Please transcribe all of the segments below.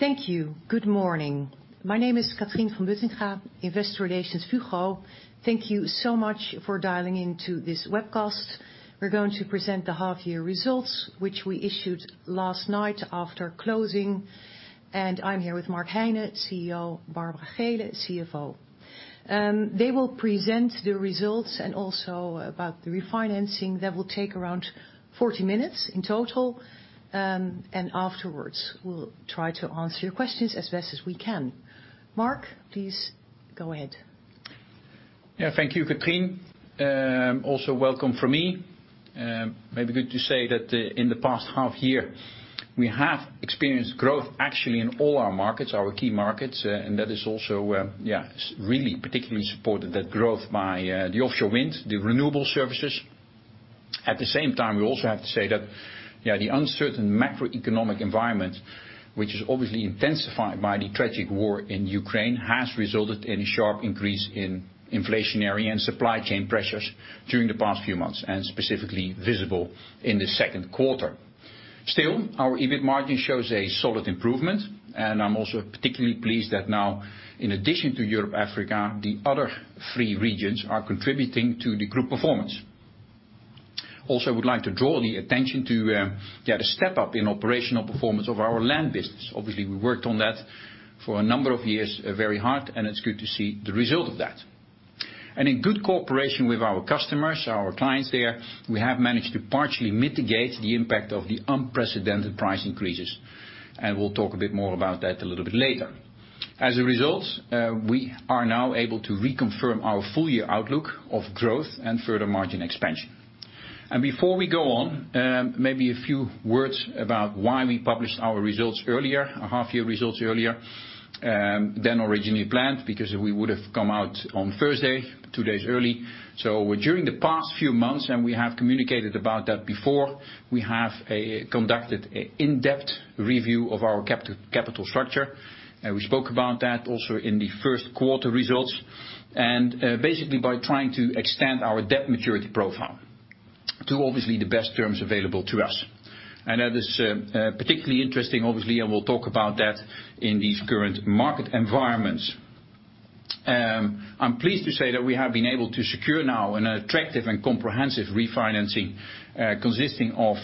Thank you. Good morning. My name is Catrien van Buttingha Wichers, Investor Relations, Fugro. Thank you so much for dialing into this webcast. We're going to present the half year results, which we issued last night after closing. I'm here with Mark Heine, CEO, Barbara Geelen, CFO. They will present the results and also about the refinancing. That will take around 40 minutes in total. Afterwards we'll try to answer your questions as best as we can. Mark, please go ahead. Thank you, Catrien. Also welcome from me. Maybe good to say that in the past half year we have experienced growth actually in all our markets, our key markets. And that is also really particularly supported that growth by the offshore wind, the renewable services. At the same time, we also have to say that the uncertain macroeconomic environment, which is obviously intensified by the tragic war in Ukraine, has resulted in a sharp increase in inflationary and supply chain pressures during the past few months, and specifically visible in the second quarter. Still, our EBIT margin shows a solid improvement. I'm also particularly pleased that now, in addition to Europe, Africa, the other three regions are contributing to the group performance. Would like to draw the attention to the step up in operational performance of our land business. Obviously, we worked on that for a number of years, very hard, and it's good to see the result of that. In good cooperation with our customers, our clients there, we have managed to partially mitigate the impact of the unprecedented price increases. We'll talk a bit more about that a little bit later. As a result, we are now able to reconfirm our full year outlook of growth and further margin expansion. Before we go on, maybe a few words about why we published our results earlier, our half year results earlier, than originally planned, because we would have come out on Thursday, two days early. During the past few months, we have communicated about that before, we have conducted an in-depth review of our capital structure, and we spoke about that also in the first quarter results. Basically by trying to extend our debt maturity profile to obviously the best terms available to us. That is particularly interesting, obviously, and we'll talk about that in these current market environments. I'm pleased to say that we have been able to secure now an attractive and comprehensive refinancing consisting of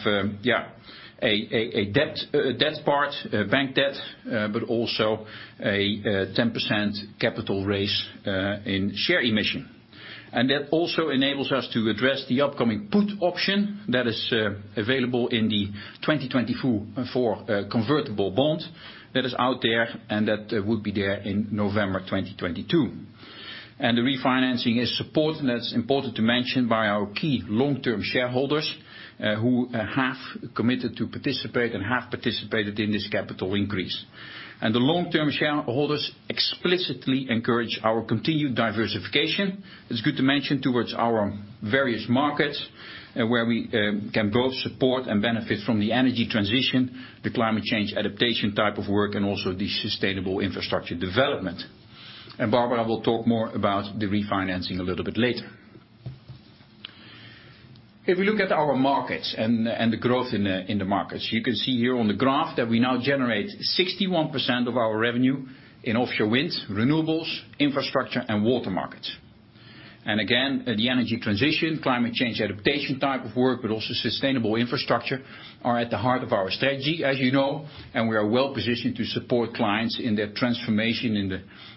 a debt part, bank debt, but also a 10% capital raise in share issuance. That also enables us to address the upcoming put option that is available in the 2024 convertible bond that is out there, and that would be there in November 2022. The refinancing is supported, and that's important to mention, by our key long-term shareholders, who have committed to participate and have participated in this capital increase. The long-term shareholders explicitly encourage our continued diversification. It's good to mention toward our various markets, where we can both support and benefit from the energy transition, the climate change adaptation type of work, and also the sustainable infrastructure development. Barbara will talk more about the refinancing a little bit later. If we look at our markets and the growth in the markets, you can see here on the graph that we now generate 61% of our revenue in offshore wind, renewables, infrastructure and water markets. Again, the energy transition, climate change adaptation type of work, but also sustainable infrastructure are at the heart of our strategy, as you know, and we are well positioned to support clients in their transformation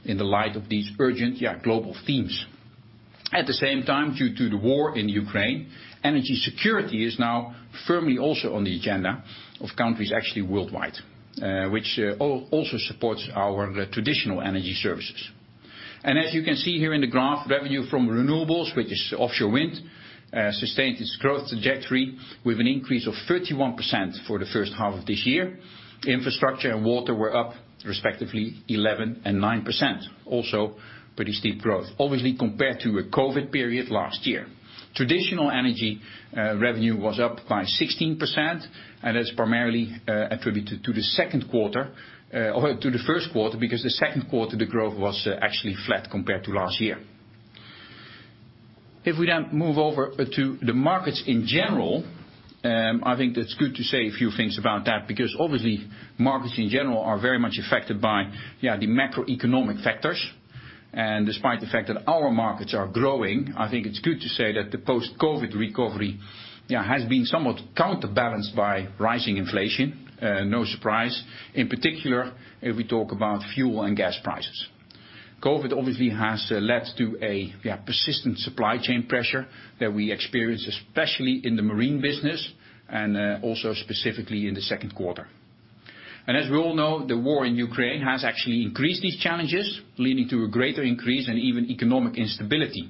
in the light of these urgent global themes. At the same time, due to the war in Ukraine, energy security is now firmly also on the agenda of countries actually worldwide, which also supports our traditional energy services. As you can see here in the graph, revenue from renewables, which is offshore wind, sustained its growth trajectory with an increase of 31% for the first half of this year. Infrastructure and water were up respectively 11% and 9%. Also pretty steep growth, obviously compared to a COVID period last year. Traditional energy revenue was up by 16%, and that's primarily attributed to the second quarter or to the first quarter, because the second quarter, the growth was actually flat compared to last year. If we then move over to the markets in general, I think that's good to say a few things about that, because obviously markets in general are very much affected by yeah the macroeconomic factors. Despite the fact that our markets are growing, I think it's good to say that the post-COVID recovery has been somewhat counterbalanced by rising inflation. No surprise, in particular, if we talk about fuel and gas prices. COVID obviously has led to persistent supply chain pressure that we experience, especially in the marine business and also specifically in the second quarter. As we all know, the war in Ukraine has actually increased these challenges, leading to a greater increase and even economic instability,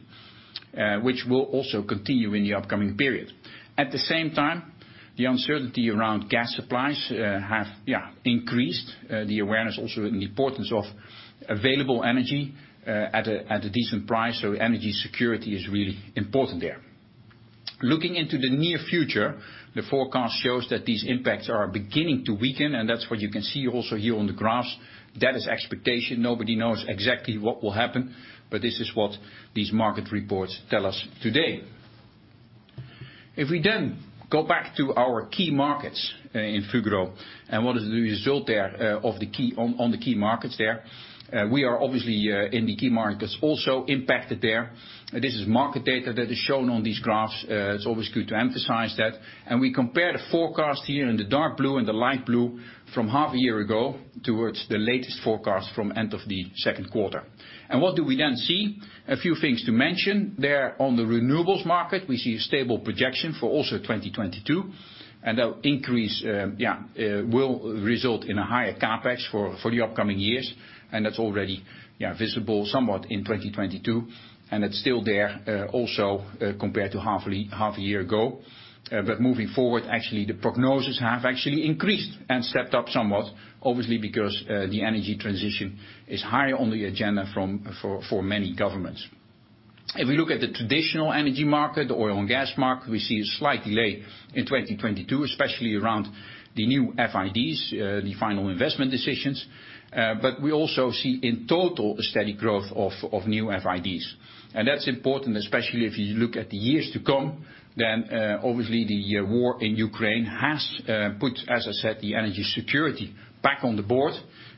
which will also continue in the upcoming period. At the same time, the uncertainty around gas supplies have increased the awareness also and the importance of available energy at a decent price. Energy security is really important there. Looking into the near future, the forecast shows that these impacts are beginning to weaken, and that's what you can see also here on the graphs. That is expectation. Nobody knows exactly what will happen, but this is what these market reports tell us today. If we then go back to our key markets in Fugro and what is the result there on the key markets there. We are obviously in the key markets also impacted there. This is market data that is shown on these graphs. It's always good to emphasize that. We compare the forecast here in the dark blue and the light blue from half a year ago towards the latest forecast from end of the second quarter. What do we then see? A few things to mention there. On the renewables market, we see a stable projection for also 2022. That increase will result in a higher CapEx for the upcoming years. That's already visible somewhat in 2022, and it's still there also, compared to half a year ago. But moving forward, actually, the projections have actually increased and stepped up somewhat, obviously, because the energy transition is higher on the agenda for many governments. If we look at the traditional energy market, the oil and gas market, we see a slight delay in 2022, especially around the new FIDs, the final investment decisions. But we also see in total a steady growth of new FIDs. That's important, especially if you look at the years to come, then, obviously the war in Ukraine has put, as I said, the energy security back on the board,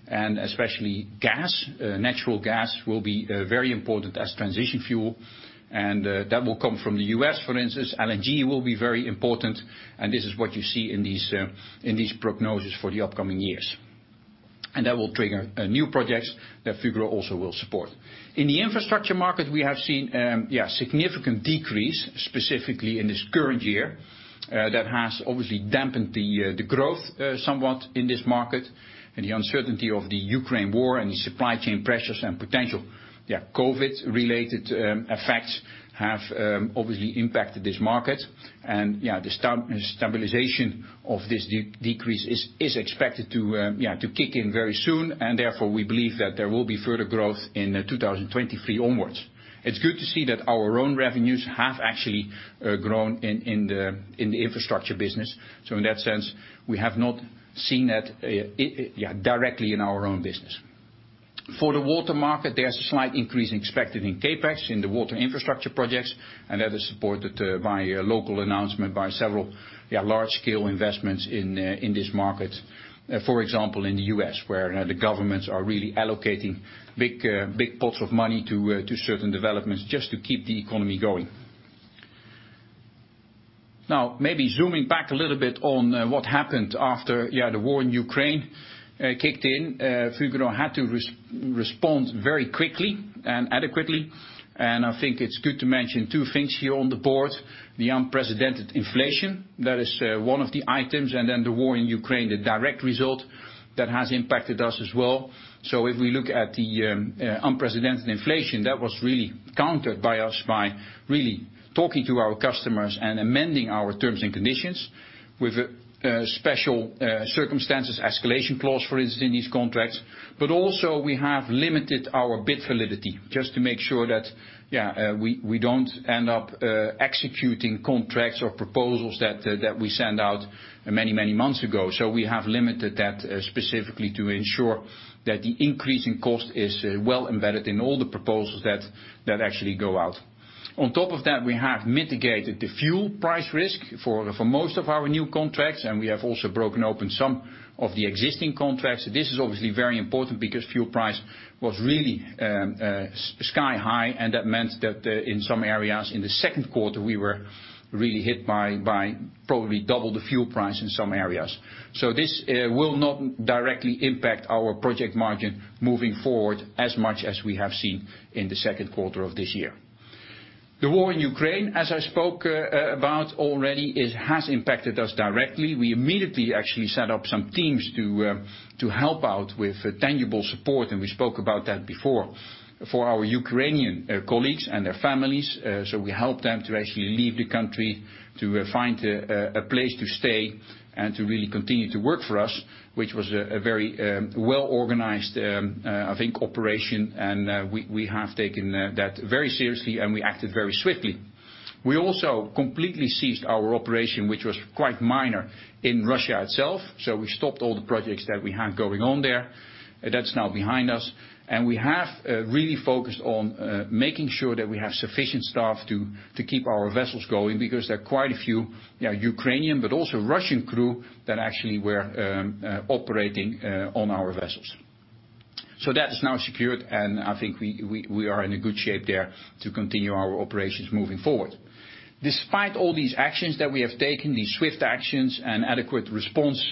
and especially gas. Natural gas will be very important as transition fuel, and that will come from the U.S., for instance. LNG will be very important, and this is what you see in these prognosis for the upcoming years. That will trigger new projects that Fugro also will support. In the infrastructure market, we have seen significant decrease, specifically in this current year, that has obviously dampened the growth somewhat in this market. The uncertainty of the Ukraine war and the supply chain pressures and potential COVID-related effects have obviously impacted this market. Yeah, the stabilization of this decrease is expected to kick in very soon. Therefore, we believe that there will be further growth in 2023 onwards. It's good to see that our own revenues have actually grown in the infrastructure business. In that sense, we have not seen that directly in our own business. For the water market, there's a slight increase expected in CapEx in the water infrastructure projects, and that is supported by a local announcement by several large-scale investments in this market. For example, in the U.S., where, you know, the governments are really allocating big pots of money to certain developments just to keep the economy going. Now, maybe zooming back a little bit on what happened after the war in Ukraine kicked in. Fugro had to respond very quickly and adequately. I think it's good to mention two things here on the board, the unprecedented inflation, that is one of the items, and then the war in Ukraine, the direct result that has impacted us as well. If we look at the unprecedented inflation, that was really countered by us by really talking to our customers and amending our terms and conditions with special circumstances, escalation clause, for instance, in these contracts. Also we have limited our bid validity just to make sure that we don't end up executing contracts or proposals that we send out many, many months ago. We have limited that specifically to ensure that the increase in cost is well embedded in all the proposals that actually go out. On top of that, we have mitigated the fuel price risk for most of our new contracts, and we have also broken open some of the existing contracts. This is obviously very important because fuel price was really sky high, and that meant that in some areas in the second quarter, we were really hit by probably double the fuel price in some areas. This will not directly impact our project margin moving forward as much as we have seen in the second quarter of this year. The war in Ukraine, as I spoke about already, it has impacted us directly. We immediately actually set up some teams to help out with tangible support, and we spoke about that before. For our Ukrainian colleagues and their families, so we helped them to actually leave the country, to find a place to stay and to really continue to work for us, which was a very well-organized operation, I think. We have taken that very seriously, and we acted very swiftly. We also completely ceased our operation, which was quite minor in Russia itself. We stopped all the projects that we had going on there. That's now behind us. We have really focused on making sure that we have sufficient staff to keep our vessels going because there are quite a few Ukrainian, but also Russian crew that actually were operating on our vessels. That is now secured, and I think we are in a good shape there to continue our operations moving forward. Despite all these actions that we have taken, these swift actions and adequate response,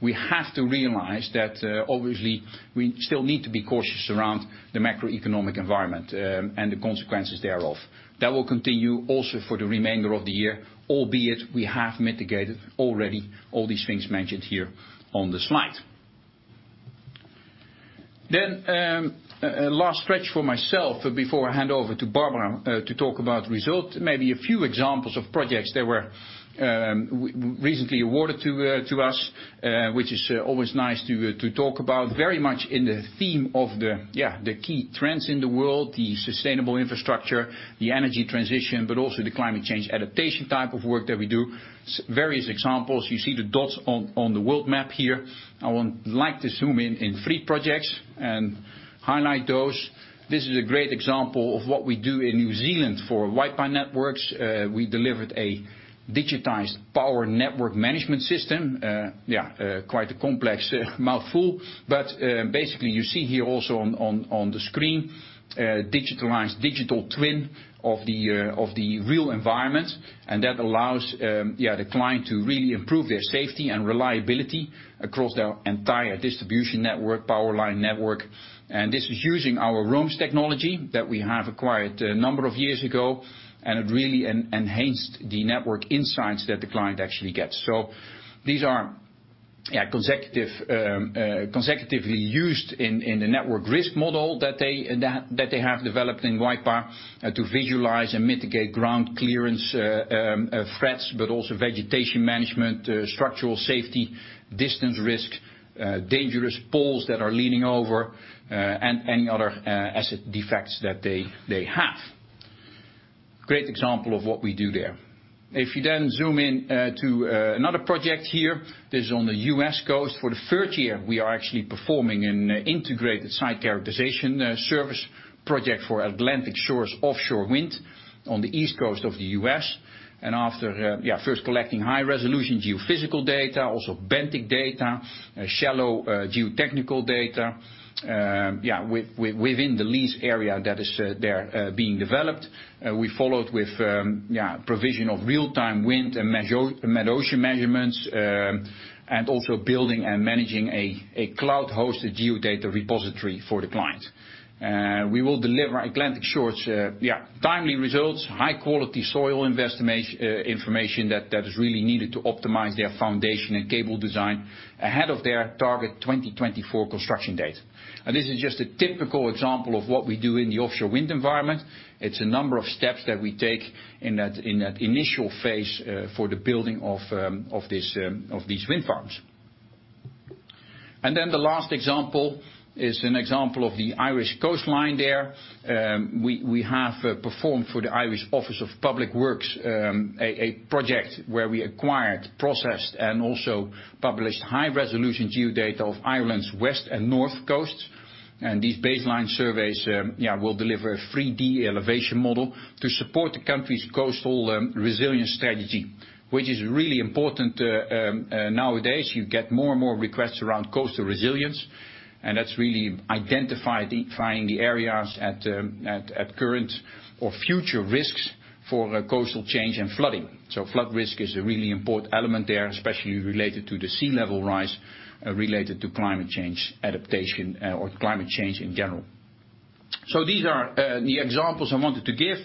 we have to realize that obviously, we still need to be cautious around the macroeconomic environment and the consequences thereof. That will continue also for the remainder of the year, albeit we have mitigated already all these things mentioned here on the slide. A last stretch for myself before I hand over to Barbara to talk about results. Maybe a few examples of projects that were recently awarded to us, which is always nice to talk about. Very much in the theme of the key trends in the world, the sustainable infrastructure, the energy transition, but also the climate change adaptation type of work that we do. Various examples. You see the dots on the world map here. I would like to zoom in three projects and highlight those. This is a great example of what we do in New Zealand for Waipā Networks. We delivered a digitized power network management system. Yeah, quite a complex mouthful, but basically you see here also on the screen, digitalized digital twin of the real environment. That allows the client to really improve their safety and reliability across their entire distribution network, power line network. This is using our Roames technology that we have acquired a number of years ago, and it really enhanced the network insights that the client actually gets. These are consecutively used in the network risk model that they have developed in Waipā to visualize and mitigate ground clearance threats, but also vegetation management, structural safety, distance risk, dangerous poles that are leaning over, and any other asset defects that they have. Great example of what we do there. If you zoom in to another project here. This is on the U.S. coast. For the third year, we are actually performing an integrated site characterization service project for Atlantic Shores Offshore Wind on the East Coast of the U.S. After first collecting high resolution geophysical data, also benthic data, shallow geotechnical data within the lease area that is there being developed, we followed with provision of real-time wind and met ocean measurements, and also building and managing a cloud-hosted geodata repository for the client. We will deliver Atlantic Shores' timely results, high quality soil information that is really needed to optimize their foundation and cable design ahead of their target 2024 construction date. This is just a typical example of what we do in the offshore wind environment. It's a number of steps that we take in that initial phase for the building of these wind farms. Then the last example is an example of the Irish coastline there. We have performed for the Irish Office of Public Works a project where we acquired, processed, and also published high-resolution geodata of Ireland's west and north coasts. These baseline surveys will deliver a 3D elevation model to support the country's coastal resilience strategy, which is really important nowadays. You get more and more requests around coastal resilience, and that's really identifying the areas at current or future risks for coastal change and flooding. Flood risk is a really important element there, especially related to the sea level rise, related to climate change adaptation or climate change in general. These are the examples I wanted to give.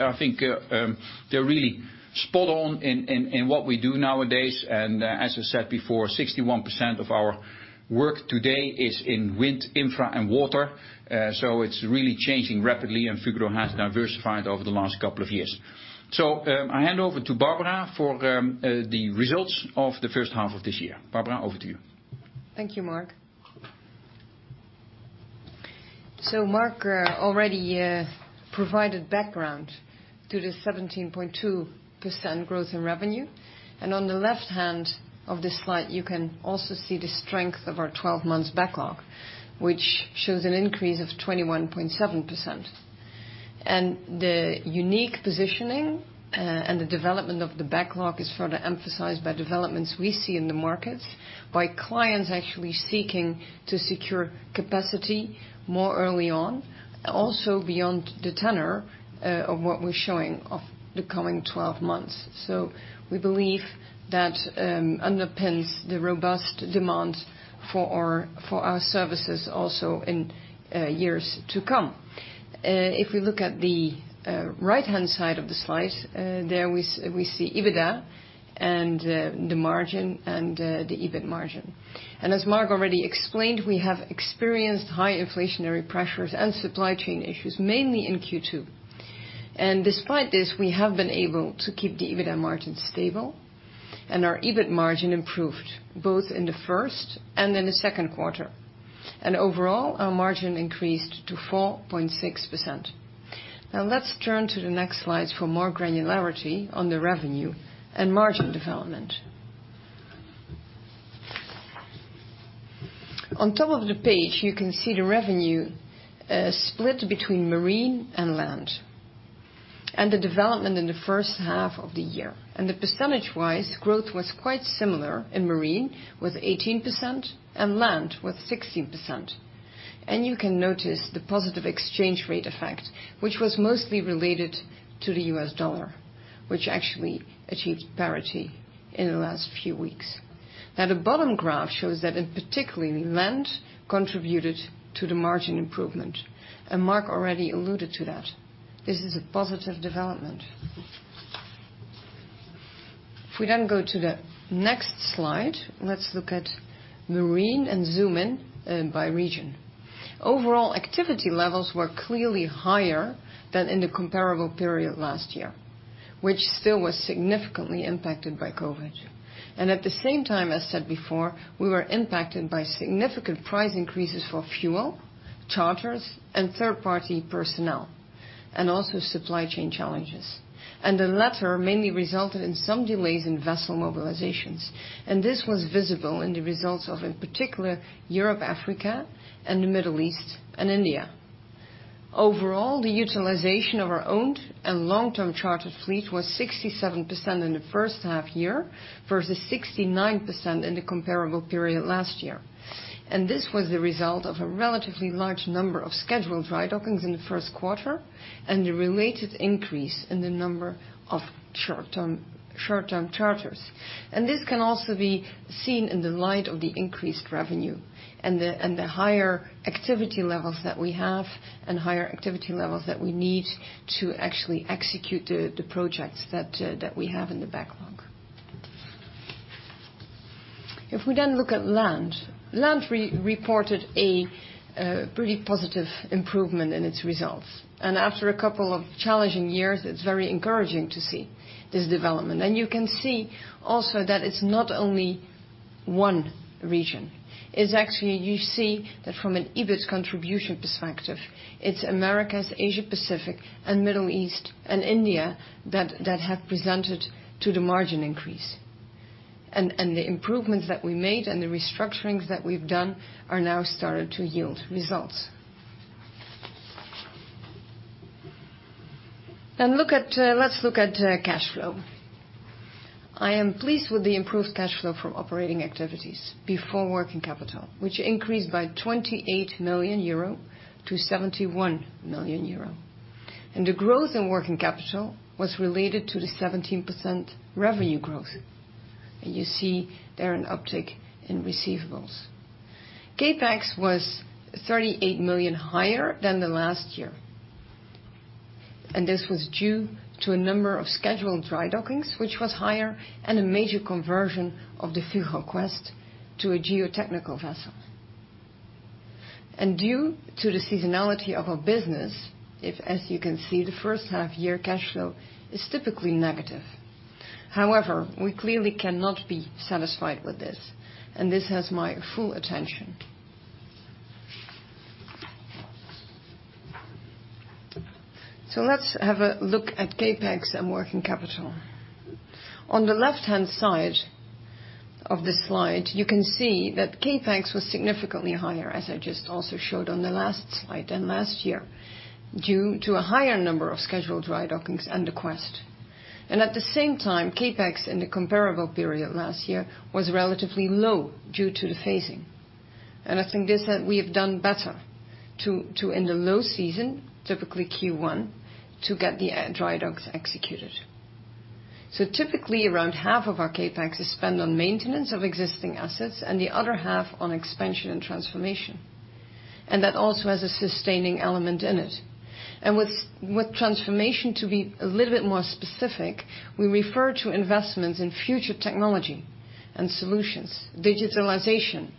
I think they're really spot on in what we do nowadays. As I said before, 61% of our work today is in wind, infra, and water. It's really changing rapidly and Fugro has diversified over the last couple of years. I hand over to Barbara for the results of the first half of this year. Barbara, over to you. Thank you, Mark. Mark already provided background to the 17.2% growth in revenue. On the left hand of this slide, you can also see the strength of our 12 months backlog, which shows an increase of 21.7%. The unique positioning and the development of the backlog is further emphasized by developments we see in the markets by clients actually seeking to secure capacity more early on, also beyond the tenor of what we're showing of the coming 12 months. We believe that underpins the robust demand for our services also in years to come. If we look at the right-hand side of the slide, we see EBITDA and the margin and the EBIT margin. As Mark already explained, we have experienced high inflationary pressures and supply chain issues mainly in Q2. Despite this, we have been able to keep the EBITDA margin stable and our EBIT margin improved both in the first and in the second quarter. Overall, our margin increased to 4.6%. Now let's turn to the next slide for more granularity on the revenue and margin development. On top of the page, you can see the revenue split between marine and land, and the development in the first half of the year. The percentage-wise growth was quite similar in marine with 18% and land with 16%. You can notice the positive exchange rate effect, which was mostly related to the U.S. dollar, which actually achieved parity in the last few weeks. Now, the bottom graph shows that in particular Land contributed to the margin improvement, and Mark already alluded to that. This is a positive development. If we go to the next slide, let's look at Marine and zoom in by region. Overall activity levels were clearly higher than in the comparable period last year, which still was significantly impacted by COVID. At the same time, as said before, we were impacted by significant price increases for fuel, charters, and third-party personnel, and also supply chain challenges. The latter mainly resulted in some delays in vessel mobilizations, and this was visible in the results of, in particular, Europe, Africa, and the Middle East and India. Overall, the utilization of our owned and long-term chartered fleet was 67% in the first half year, versus 69% in the comparable period last year. This was the result of a relatively large number of scheduled drydockings in the first quarter and the related increase in the number of short-term charters. This can also be seen in the light of the increased revenue and the higher activity levels that we have and higher activity levels that we need to actually execute the projects that we have in the backlog. If we look at land. Land reported a pretty positive improvement in its results. After a couple of challenging years, it's very encouraging to see this development. You can see also that it's not only one region. It's actually, you see that from an EBIT contribution perspective, it's Americas, Asia Pacific and Middle East and India that have presented to the margin increase. The improvements that we made and the restructurings that we've done are now started to yield results. Let's look at cash flow. I am pleased with the improved cash flow from operating activities before working capital, which increased by 28 million-71 million euro. The growth in working capital was related to the 17% revenue growth. You see there an uptick in receivables. CapEx was 38 million higher than the last year, and this was due to a number of scheduled drydockings, which was higher, and a major conversion of the Fugro Quest to a geotechnical vessel. Due to the seasonality of our business, as you can see, the first half year cash flow is typically negative. However, we clearly cannot be satisfied with this, and this has my full attention. Let's have a look at CapEx and working capital. On the left-hand side of the slide, you can see that CapEx was significantly higher, as I just also showed on the last slide, than last year, due to a higher number of scheduled drydockings and the Quest. At the same time, CapEx in the comparable period last year was relatively low due to the phasing. I think that we have done better in the low season, typically Q1, to get the dry docks executed. Typically, around half of our CapEx is spent on maintenance of existing assets and the other half on expansion and transformation. That also has a sustaining element in it. With transformation to be a little bit more specific, we refer to investments in future technology and solutions, digitalization,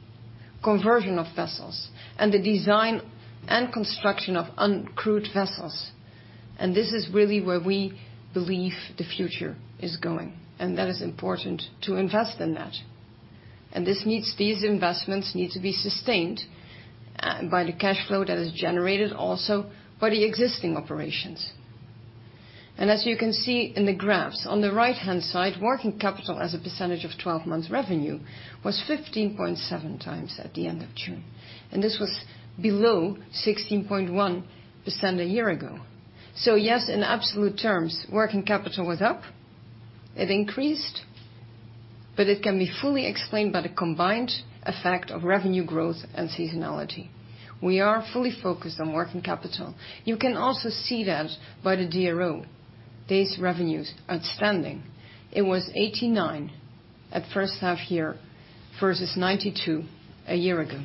conversion of vessels, and the design and construction of uncrewed vessels. This is really where we believe the future is going, and that is important to invest in that. These investments need to be sustained by the cash flow that is generated also by the existing operations. As you can see in the graphs on the right-hand side, working capital as a percentage of twelve months revenue was 15.7x at the end of June, and this was below 16.1% a year ago. Yes, in absolute terms, working capital was up. It increased, but it can be fully explained by the combined effect of revenue growth and seasonality. We are fully focused on working capital. You can also see that by the DRO, days revenues outstanding, it was 89 at first half year versus 92 a year ago.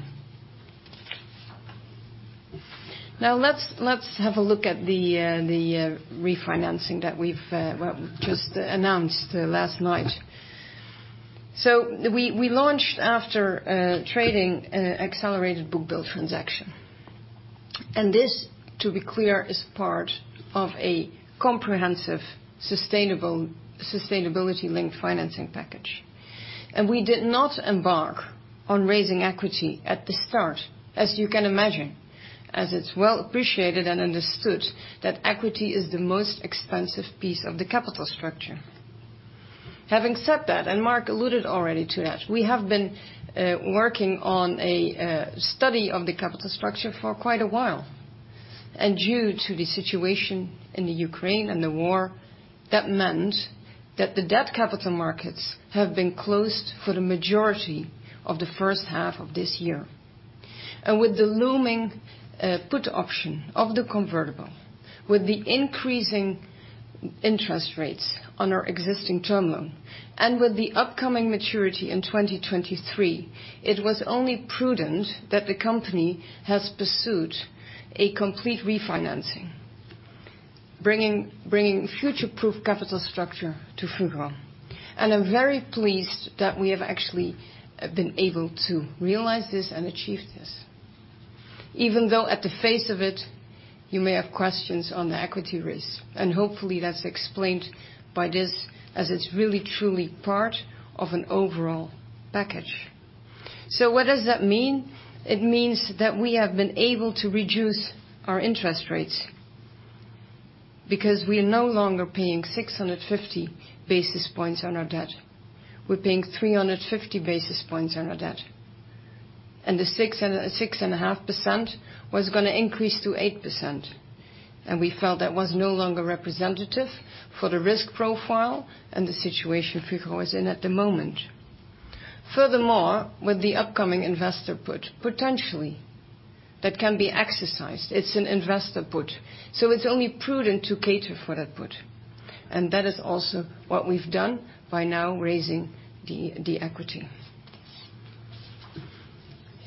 Now let's have a look at the refinancing that we've well just announced last night. We launched after trading an accelerated bookbuild transaction. This, to be clear, is part of a comprehensive, sustainability-linked financing package. We did not embark on raising equity at the start, as you can imagine, as it's well appreciated and understood that equity is the most expensive piece of the capital structure. Having said that, and Mark alluded already to that, we have been working on a study of the capital structure for quite a while. Due to the situation in the Ukraine and the war, that meant that the debt capital markets have been closed for the majority of the first half of this year. With the looming put option of the convertible, with the increasing interest rates on our existing term loan, and with the upcoming maturity in 2023, it was only prudent that the company has pursued a complete refinancing. Bringing future-proof capital structure to Fugro. I'm very pleased that we have actually been able to realize this and achieve this. Even though at the face of it, you may have questions on the equity risk, and hopefully that's explained by this as it's really truly part of an overall package. What does that mean? It means that we have been able to reduce our interest rates because we are no longer paying 650 basis points on our debt. We're paying 350 basis points on our debt. The 6.5% was gonna increase to 8%, and we felt that was no longer representative for the risk profile and the situation Fugro is in at the moment. Furthermore, with the upcoming investor put, potentially that can be exercised, it's an investor put, so it's only prudent to cater for that put. That is also what we've done by now raising the equity.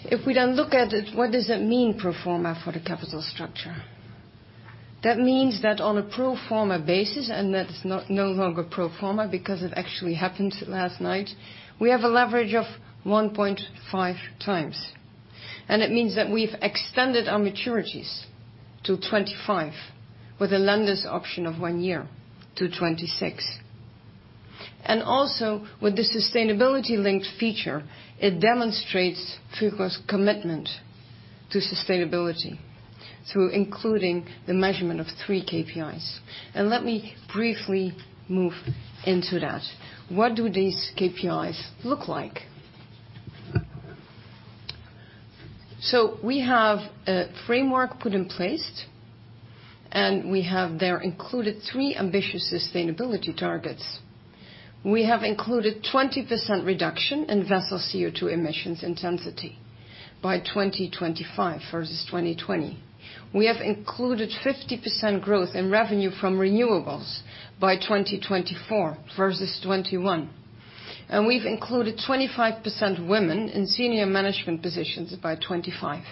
If we then look at it, what does that mean pro forma for the capital structure? That means that on a pro forma basis, and that's no longer pro forma because it actually happened last night, we have a leverage of 1.5x. It means that we've extended our maturities to 2025, with the lender's option of one year to 2026. Also, with the sustainability-linked feature, it demonstrates Fugro's commitment to sustainability through including the measurement of three KPIs. Let me briefly move into that. What do these KPIs look like? We have a framework put in place, and we have there included three ambitious sustainability targets. We have included 20% reduction in vessel CO2 emissions intensity by 2025 versus 2020. We have included 50% growth in revenue from renewables by 2024 versus 2021. We've included 25% women in senior management positions by 2025.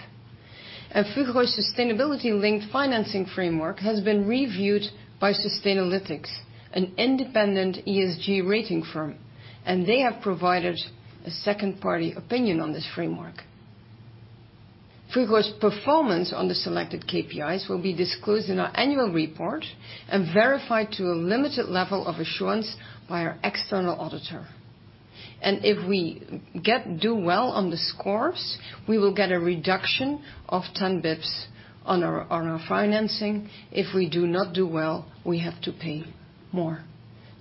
Fugro's sustainability linked financing framework has been reviewed by Sustainalytics, an independent ESG rating firm, and they have provided a second-party opinion on this framework. Fugro's performance on the selected KPIs will be disclosed in our annual report and verified to a limited level of assurance by our external auditor. If we do well on the scores, we will get a reduction of 10 basis points on our financing. If we do not do well, we have to pay more.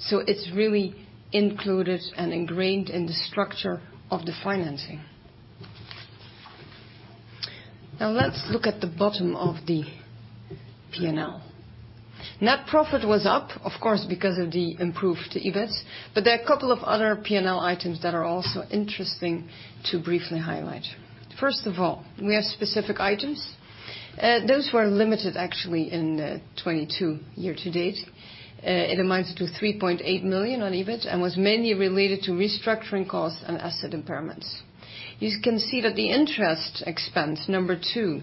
It's really included and ingrained in the structure of the financing. Now let's look at the bottom of the P&L. Net profit was up, of course, because of the improved EBIT, but there are a couple of other P&L items that are also interesting to briefly highlight. First of all, we have specific items. Those were limited actually in 2022 year to date. It amounts to 3.8 million on EBIT and was mainly related to restructuring costs and asset impairments. You can see that the interest expense, number two,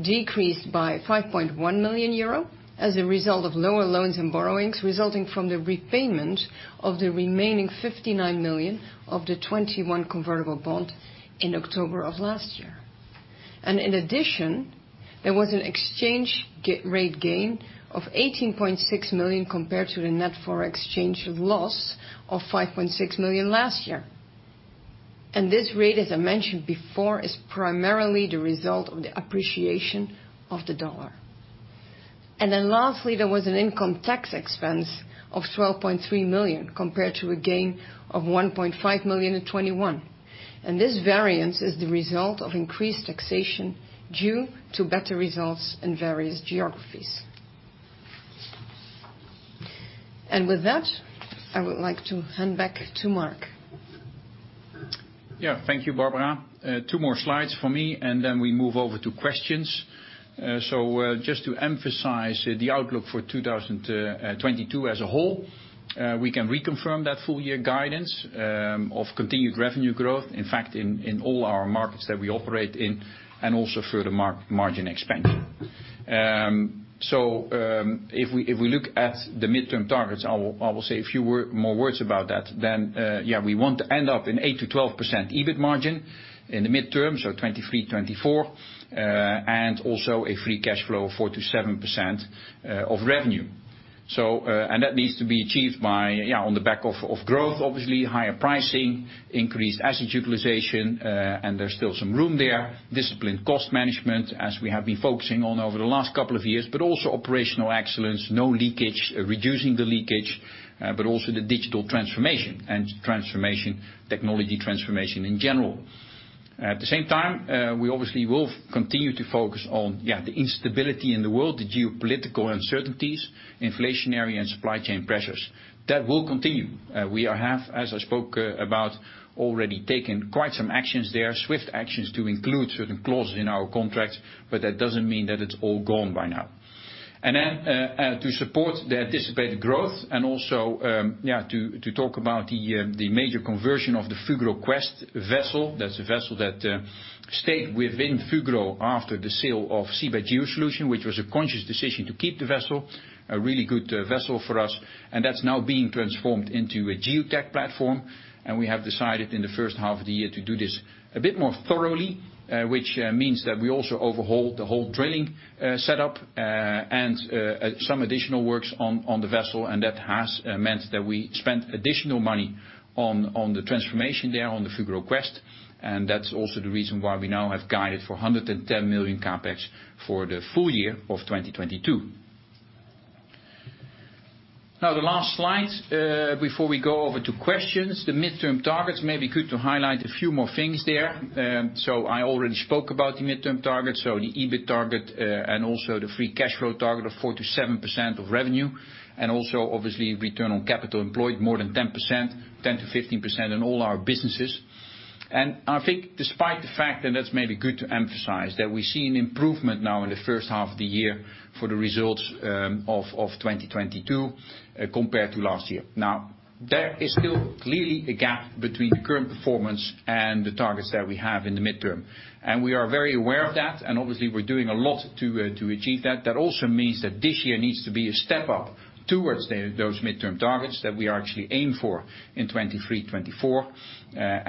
decreased by 5.1 million euro as a result of lower loans and borrowings, resulting from the repayment of the remaining 59 million of the 2021 convertible bond in October of last year. In addition, there was an exchange rate gain of 18.6 million compared to the net foreign exchange loss of 5.6 million last year. This rate, as I mentioned before, is primarily the result of the appreciation of the U.S. dollar. Then lastly, there was an income tax expense of 12.3 million compared to a gain of 1.5 million in 2021. This variance is the result of increased taxation due to better results in various geographies. With that, I would like to hand back to Mark. Thank you, Barbara. Two more slides for me, and then we move over to questions. Just to emphasize the outlook for 2022 as a whole, we can reconfirm that full year guidance of continued revenue growth, in fact, in all our markets that we operate in, and also further margin expansion. If we look at the midterm targets, I will say a few more words about that. We want to end up in 8%-12% EBIT margin in the midterm, so 2023, 2024, and also a free cash flow of 4%-7% of revenue. That needs to be achieved by on the back of growth, obviously, higher pricing, increased asset utilization, and there's still some room there. Disciplined cost management, as we have been focusing on over the last couple of years, but also operational excellence, no leakage, reducing the leakage, but also the digital transformation, technology transformation in general. At the same time, we obviously will continue to focus on the instability in the world, the geopolitical uncertainties, inflationary and supply chain pressures. That will continue. We have, as I spoke about, already taken quite some actions there, swift actions to include certain clauses in our contracts, but that doesn't mean that it's all gone by now. To support the anticipated growth and also to talk about the major conversion of the Fugro Quest vessel. That's a vessel that stayed within Fugro after the sale of Seabed Geosolutions, which was a conscious decision to keep the vessel, a really good vessel for us, and that's now being transformed into a geotech platform. We have decided in the first half of the year to do this a bit more thoroughly, which means that we also overhaul the whole drilling setup, and some additional works on the vessel. That has meant that we spent additional money on the transformation there on the Fugro Quest. That's also the reason why we now have guided for 110 million CapEx for the full year of 2022. Now, the last slide before we go over to questions, the midterm targets. Maybe good to highlight a few more things there. I already spoke about the midterm targets, so the EBIT target, and also the free cash flow target of 4%-7% of revenue, and also obviously return on capital employed more than 10%, 10%-15% in all our businesses. I think despite the fact, and that's maybe good to emphasize, that we see an improvement now in the first half of the year for the results of 2022 compared to last year. Now, there is still clearly a gap between the current performance and the targets that we have in the midterm. We are very aware of that, and obviously we're doing a lot to to achieve that. That also means that this year needs to be a step up towards those midterm targets that we actually aim for in 2023, 2024.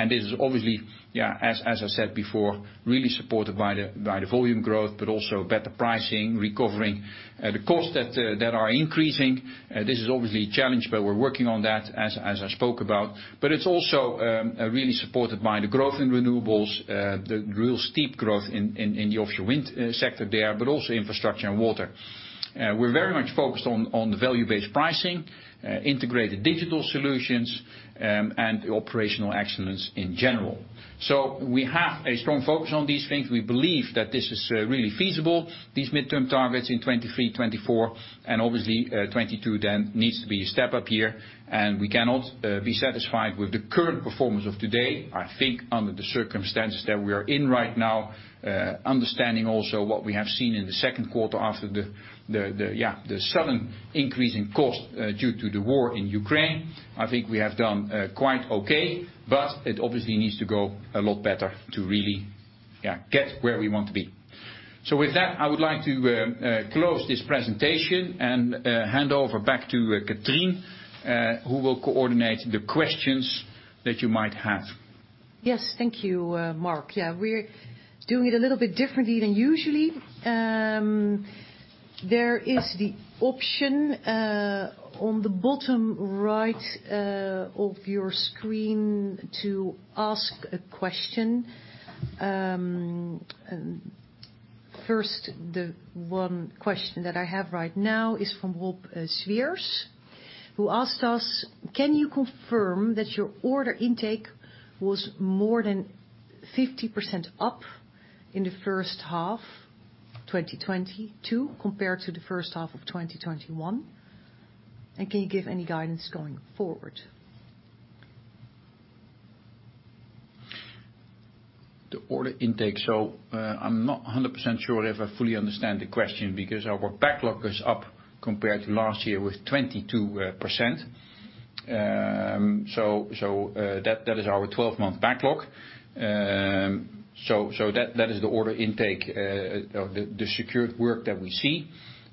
This is obviously, as I said before, really supported by the volume growth, but also better pricing, recovering the costs that are increasing. This is obviously a challenge, but we're working on that, as I spoke about. It's also really supported by the growth in renewables, the real steep growth in the offshore wind sector there, but also infrastructure and water. We're very much focused on the value-based pricing, integrated digital solutions, and operational excellence in general. We have a strong focus on these things. We believe that this is really feasible, these midterm targets in 2023, 2024. Obviously, 2022 then needs to be a step up year, and we cannot be satisfied with the current performance of today. I think under the circumstances that we are in right now, understanding also what we have seen in the second quarter after the sudden increase in cost due to the war in Ukraine, I think we have done quite okay. It obviously needs to go a lot better to really get where we want to be. With that, I would like to close this presentation and hand over back to Catrien, who will coordinate the questions that you might have. Yes. Thank you, Mark. Yeah, we're doing it a little bit differently than usually. There is the option on the bottom right of your screen to ask a question. First, the one question that I have right now is from Rob Sweers, who asked us, "Can you confirm that your order intake was more than 50% up in the first half 2022 compared to the first half of 2021, and can you give any guidance going forward?" The order intake. I'm not 100% sure if I fully understand the question because our backlog is up compared to last year with 22%. That is our 12-month backlog. That is the order intake of the secured work that we see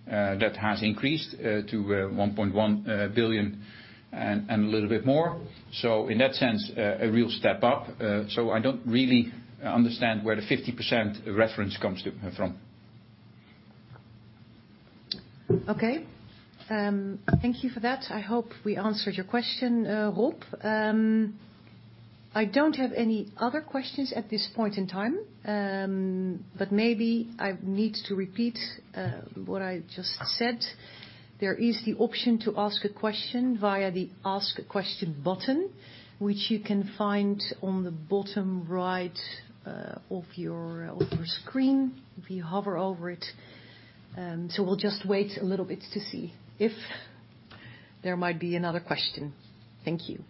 that has increased to 1.1 billion and a little bit more. In that sense, a real step up. I don't really understand where the 50% reference comes from. Okay. Thank you for that. I hope we answered your question, Rob. I don't have any other questions at this point in time, but maybe I need to repeat what I just said. There is the option to ask a question via the Ask a Question button, which you can find on the bottom right of your screen if you hover over it. We'll just wait a little bit to see if there might be another question. Thank you.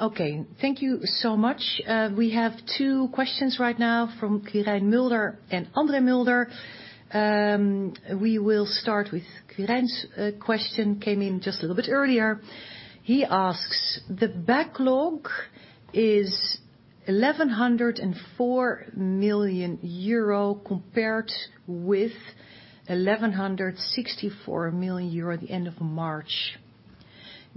Okay, thank you so much. We have two questions right now from Quirijn Mulder and Andre Mulder. We will start with Quirijn's question, came in just a little bit earlier. He asks, "The backlog is 1,104 million euro compared with 1,164 million euro at the end of March.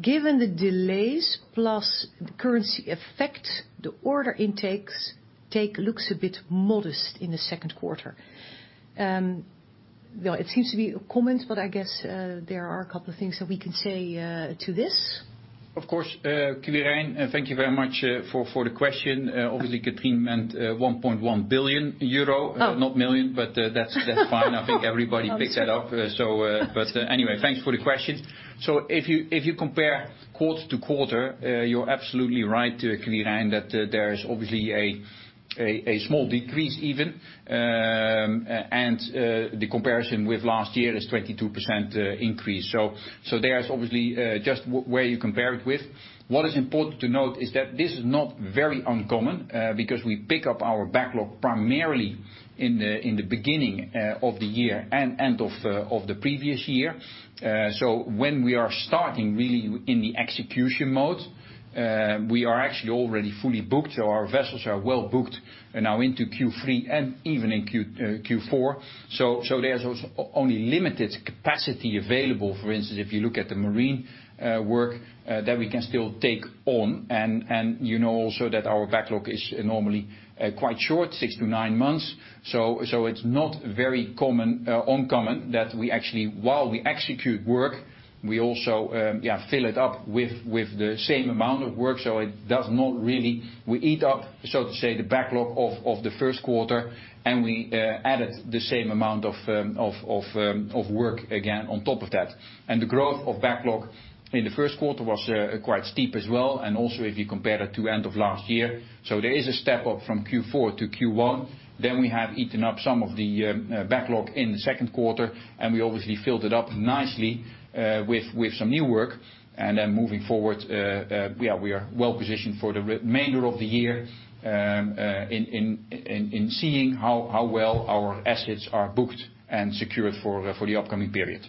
Given the delays plus the currency effect, the order intake's take looks a bit modest in the second quarter. Well, it seems to be a comment, but I guess there are a couple of things that we can say to this." Of course, Quirijn, thank you very much, for the question. Obviously Catrien meant 1.1 billion euro Oh. Not million, but that's fine. I think everybody picked that up. Obviously. Anyway, thanks for the question. If you compare quarter-to-quarter, you're absolutely right, Quirijn, that there is obviously a small decrease even. The comparison with last year is 22% increase. There's obviously just where you compare it with. What is important to note is that this is not very uncommon, because we pick up our backlog primarily in the beginning of the year and end of the previous year. When we are starting really in the execution mode, we are actually already fully booked, so our vessels are well booked now into Q3 and even in Q4. There's also only limited capacity available, for instance, if you look at the marine work that we can still take on. You know also that our backlog is normally quite short, six to nine months. It's not very uncommon that we actually, while we execute work, we also fill it up with the same amount of work. We eat up, so to say, the backlog of the first quarter, and we added the same amount of work again on top of that. The growth of backlog in the first quarter was quite steep as well, and also if you compare it to end of last year. There is a step up from Q4 to Q1. We have eaten up some of the backlog in the second quarter, and we obviously filled it up nicely with some new work. Moving forward, we are well positioned for the remainder of the year in seeing how well our assets are booked and secured for the upcoming period.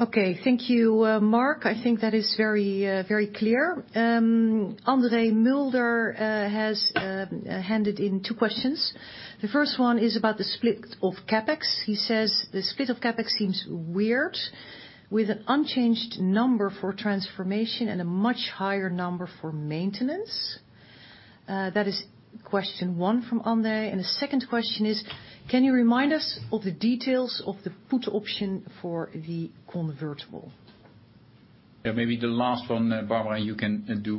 Okay. Thank you, Mark. I think that is very, very clear. Andre Mulder has handed in two questions. The first one is about the split of CapEx. He says, "The split of CapEx seems weird, with an unchanged number for transformation and a much higher number for maintenance." That is question one from Andre. The second question is, "Can you remind us of the details of the put option for the convertible?" Yeah, maybe the last one, Barbara. You can do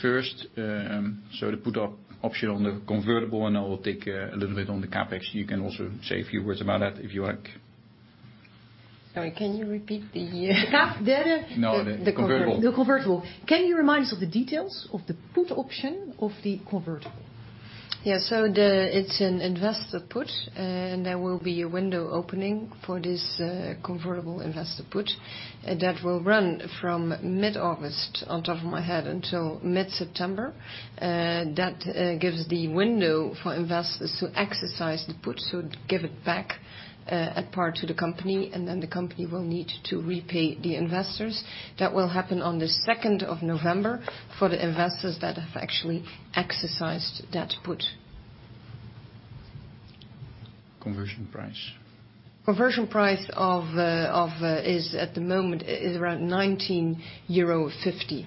first. The put option on the convertible, and I will take a little bit on the CapEx. You can also say a few words about that if you like. Sorry, can you repeat the, The CapEx? No, the convertible. The convertible. Can you remind us of the details of the put option of the convertible? It's an investor put, and there will be a window opening for this convertible investor put, and that will run from mid-August, off the top of my head, until mid-September. That gives the window for investors to exercise the put, so to give it back at par to the company, and then the company will need to repay the investors. That will happen on the second of November for the investors that have actually exercised that put. Conversion price. Conversion price of is at the moment around 19.50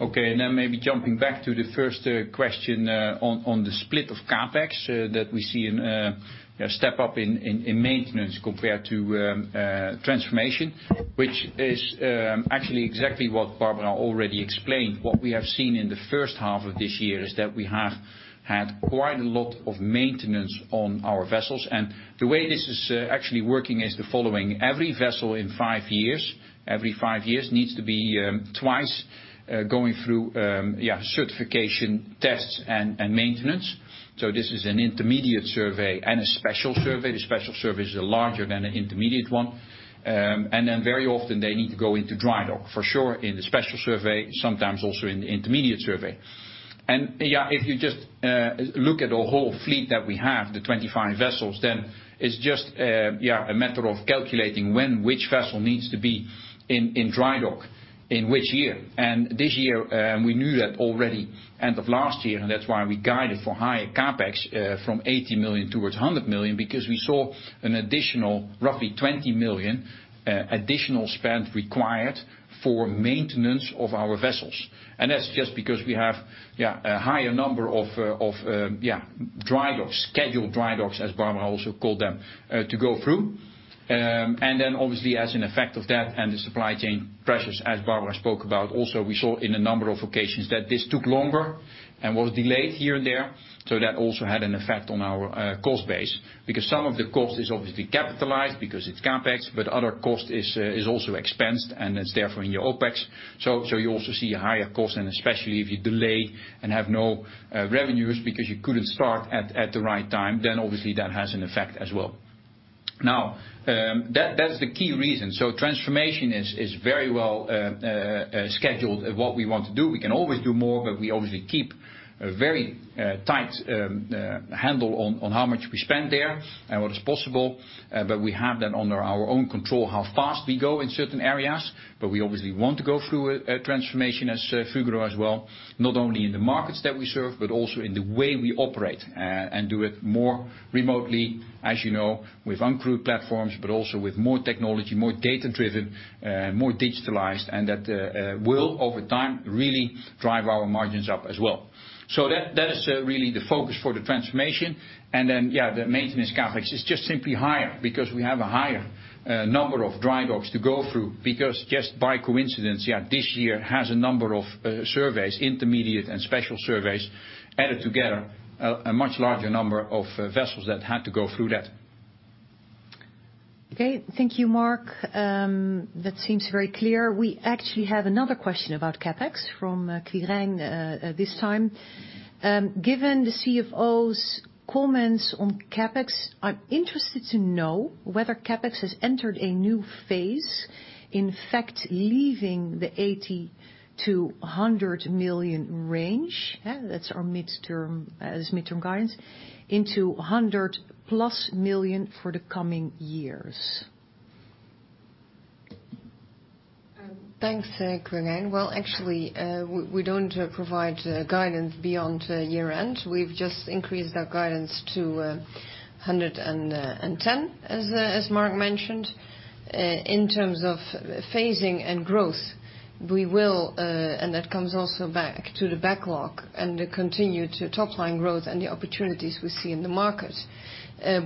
euro. Maybe jumping back to the first question on the split of CapEx that we see in a step up in maintenance compared to transformation, which is actually exactly what Barbara already explained. What we have seen in the first half of this year is that we have had quite a lot of maintenance on our vessels. The way this is actually working is the following: every vessel every five years needs to be twice going through certification tests and maintenance. This is an intermediate survey and a special survey. The special survey is larger than an intermediate one. Very often they need to go into dry dock, for sure in the special survey, sometimes also in the intermediate survey. If you just look at the whole fleet that we have, the 25 vessels, then it's just a matter of calculating when which vessel needs to be in dry dock. In which year? This year we knew that already at the end of last year, and that's why we guided for higher CapEx from 80 million towards 100 million because we saw an additional, roughly 20 million, additional spend required for maintenance of our vessels. That's just because we have a higher number of dry docks, scheduled dry docks, as Barbara also called them, to go through. Then obviously as an effect of that and the supply chain pressures as Barbara spoke about, also we saw in a number of occasions that this took longer and was delayed here and there. That also had an effect on our cost base. Because some of the cost is obviously capitalized because it's CapEx, but other cost is also expensed and it's therefore in your OpEx. You also see a higher cost and especially if you delay and have no revenues because you couldn't start at the right time, then obviously that has an effect as well. Now, that's the key reason. Transformation is very well scheduled at what we want to do. We can always do more, but we obviously keep a very tight handle on how much we spend there and what is possible. We have that under our own control how fast we go in certain areas. We obviously want to go through a transformation as Fugro as well, not only in the markets that we serve, but also in the way we operate. Do it more remotely, as you know, with uncrewed platforms, but also with more technology, more data-driven, more digitalized, and that will over time really drive our margins up as well. That is really the focus for the transformation. Then the maintenance CapEx is just simply higher because we have a higher number of dry docks to go through because just by coincidence this year has a number of surveys, intermediate and special surveys added together a much larger number of vessels that had to go through that. Okay. Thank you, Mark. That seems very clear. We actually have another question about CapEx from Quirijn, this time. Given the CFO's comments on CapEx, I'm interested to know whether CapEx has entered a new phase, in fact, leaving the 80 million-100 million range, that's our midterm, that's midterm guidance, into 100+ million for the coming years. Thanks, Quirijn. Well, actually, we don't provide guidance beyond year-end. We've just increased our guidance to 110, as Mark mentioned. In terms of phasing and growth, that comes also back to the backlog and the continued top line growth and the opportunities we see in the market.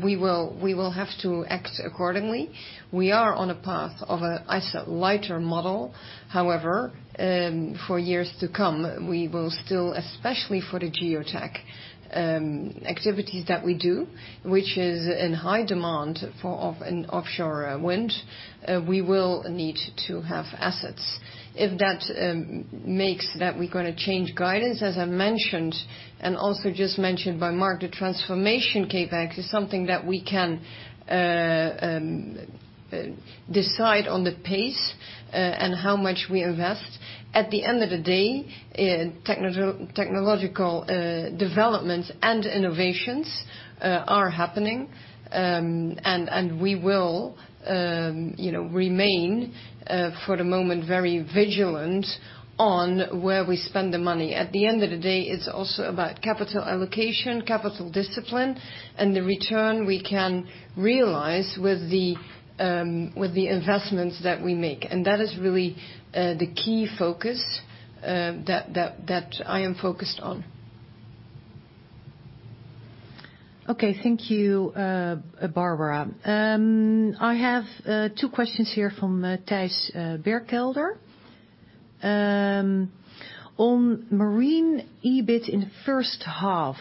We will have to act accordingly. We are on a path of a lighter model, I said. However, for years to come, we will still, especially for the geotech activities that we do, which is in high demand for offshore wind, we will need to have assets. If that makes that we're gonna change guidance, as I mentioned, and also just mentioned by Mark, the transformation CapEx is something that we can decide on the pace and how much we invest. At the end of the day, technological developments and innovations are happening, and we will, you know, remain, for the moment, very vigilant on where we spend the money. At the end of the day, it's also about capital allocation, capital discipline, and the return we can realize with the investments that we make. That is really the key focus that I am focused on. Okay. Thank you, Barbara. I have two questions here from Thijs Berkelder. On marine EBIT in the first half,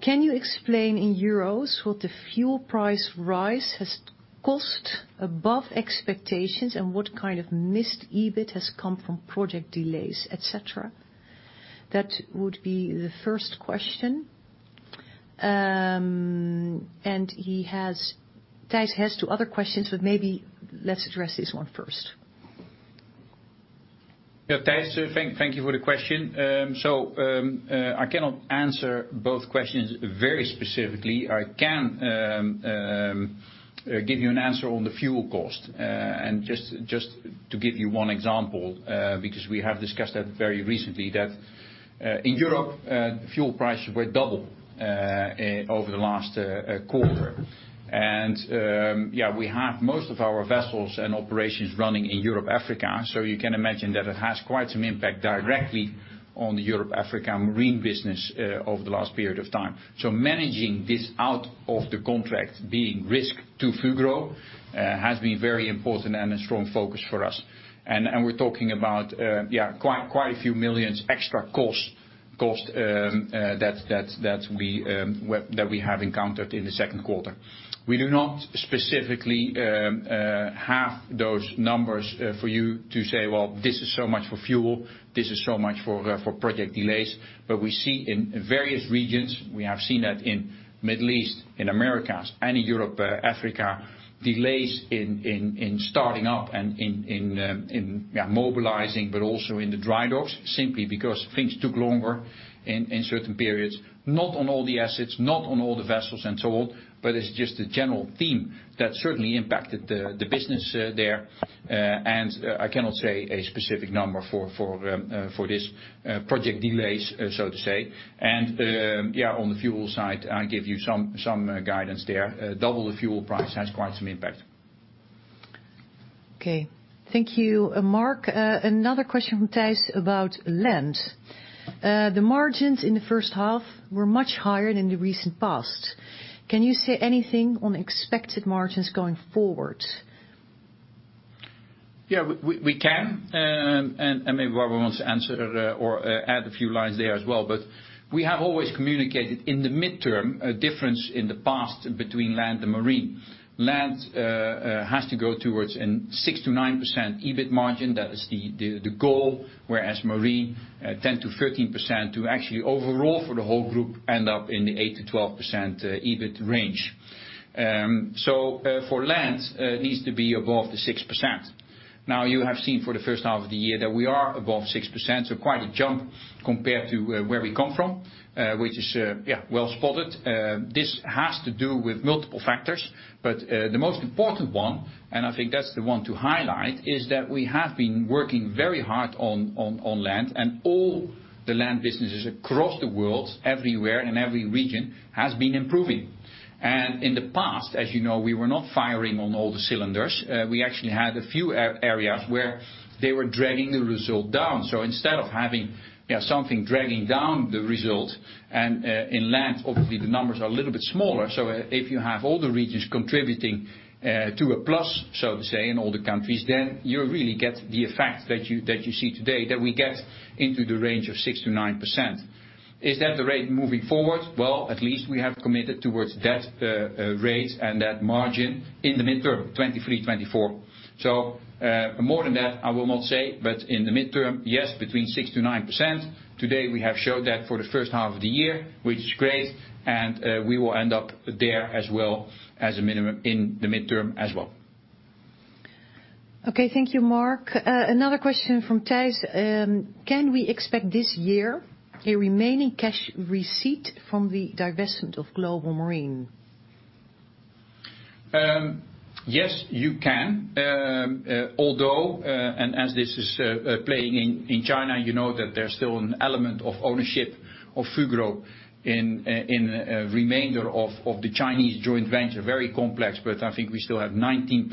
can you explain in euros what the fuel price rise has cost above expectations and what kind of missed EBIT has come from project delays, et cetera? That would be the first question. Thijs has two other questions, but maybe let's address this one first. Yeah, Thijs, thank you for the question. I cannot answer both questions very specifically. I can give you an answer on the fuel cost. Just to give you one example, because we have discussed that very recently, in Europe, fuel prices were double over the last quarter. We have most of our vessels and operations running in Europe, Africa. You can imagine that it has quite some impact directly on the Europe, Africa marine business over the last period of time. Managing this out of the contract being a risk to Fugro has been very important and a strong focus for us. We're talking about quite a few millions extra cost that we have encountered in the second quarter. We do not specifically have those numbers for you to say, "Well, this is so much for fuel, this is so much for project delays." We see in various regions, we have seen that in Middle East, in Americas, and in Europe, Africa, delays in starting up and in mobilizing, but also in the dry docks, simply because things took longer in certain periods, not on all the assets, not on all the vessels and so on, but it's just a general theme that certainly impacted the business there. I cannot say a specific number for this project delays, so to say. Yeah, on the fuel side, I give you some guidance there. Double the fuel price has quite some impact. Okay. Thank you, Mark. Another question from Thijs about land. The margins in the first half were much higher than the recent past. Can you say anything on expected margins going forward? Yeah, we can, and maybe Barbara wants to answer that or add a few lines there as well. We have always communicated in the mid-term a difference in the past between land and marine. Land has to go towards a 6%-9% EBIT margin. That is the goal. Whereas marine 10%-13% to actually overall for the whole group end up in the 8%-12% EBIT range. For land, it needs to be above the 6%. Now you have seen for the first half of the year that we are above 6%, so quite a jump compared to where we come from, which is, yeah, well spotted. This has to do with multiple factors, but the most important one, and I think that's the one to highlight, is that we have been working very hard on land and all the land businesses across the world, everywhere in every region, has been improving. In the past, as you know, we were not firing on all the cylinders. We actually had a few areas where they were dragging the result down. Instead of having, you know, something dragging down the result and in land, obviously, the numbers are a little bit smaller. If you have all the regions contributing to a plus, so to say, in all the countries, then you really get the effect that you see today that we get into the range of 6%-9%. Is that the rate moving forward? Well, at least we have committed towards that rate and that margin in the midterm, 2023, 2024. More than that, I will not say, but in the midterm, yes, between 6%-9%. Today, we have showed that for the first half of the year, which is great, and we will end up there as well as a minimum in the midterm as well. Okay. Thank you, Mark. Another question from Thijs. Can we expect this year a remaining cash receipt from the divestment of Global Marine? Yes, you can. Although as this is playing in China, you know that there's still an element of ownership of Fugro in remainder of the Chinese joint venture, very complex, but I think we still have 19%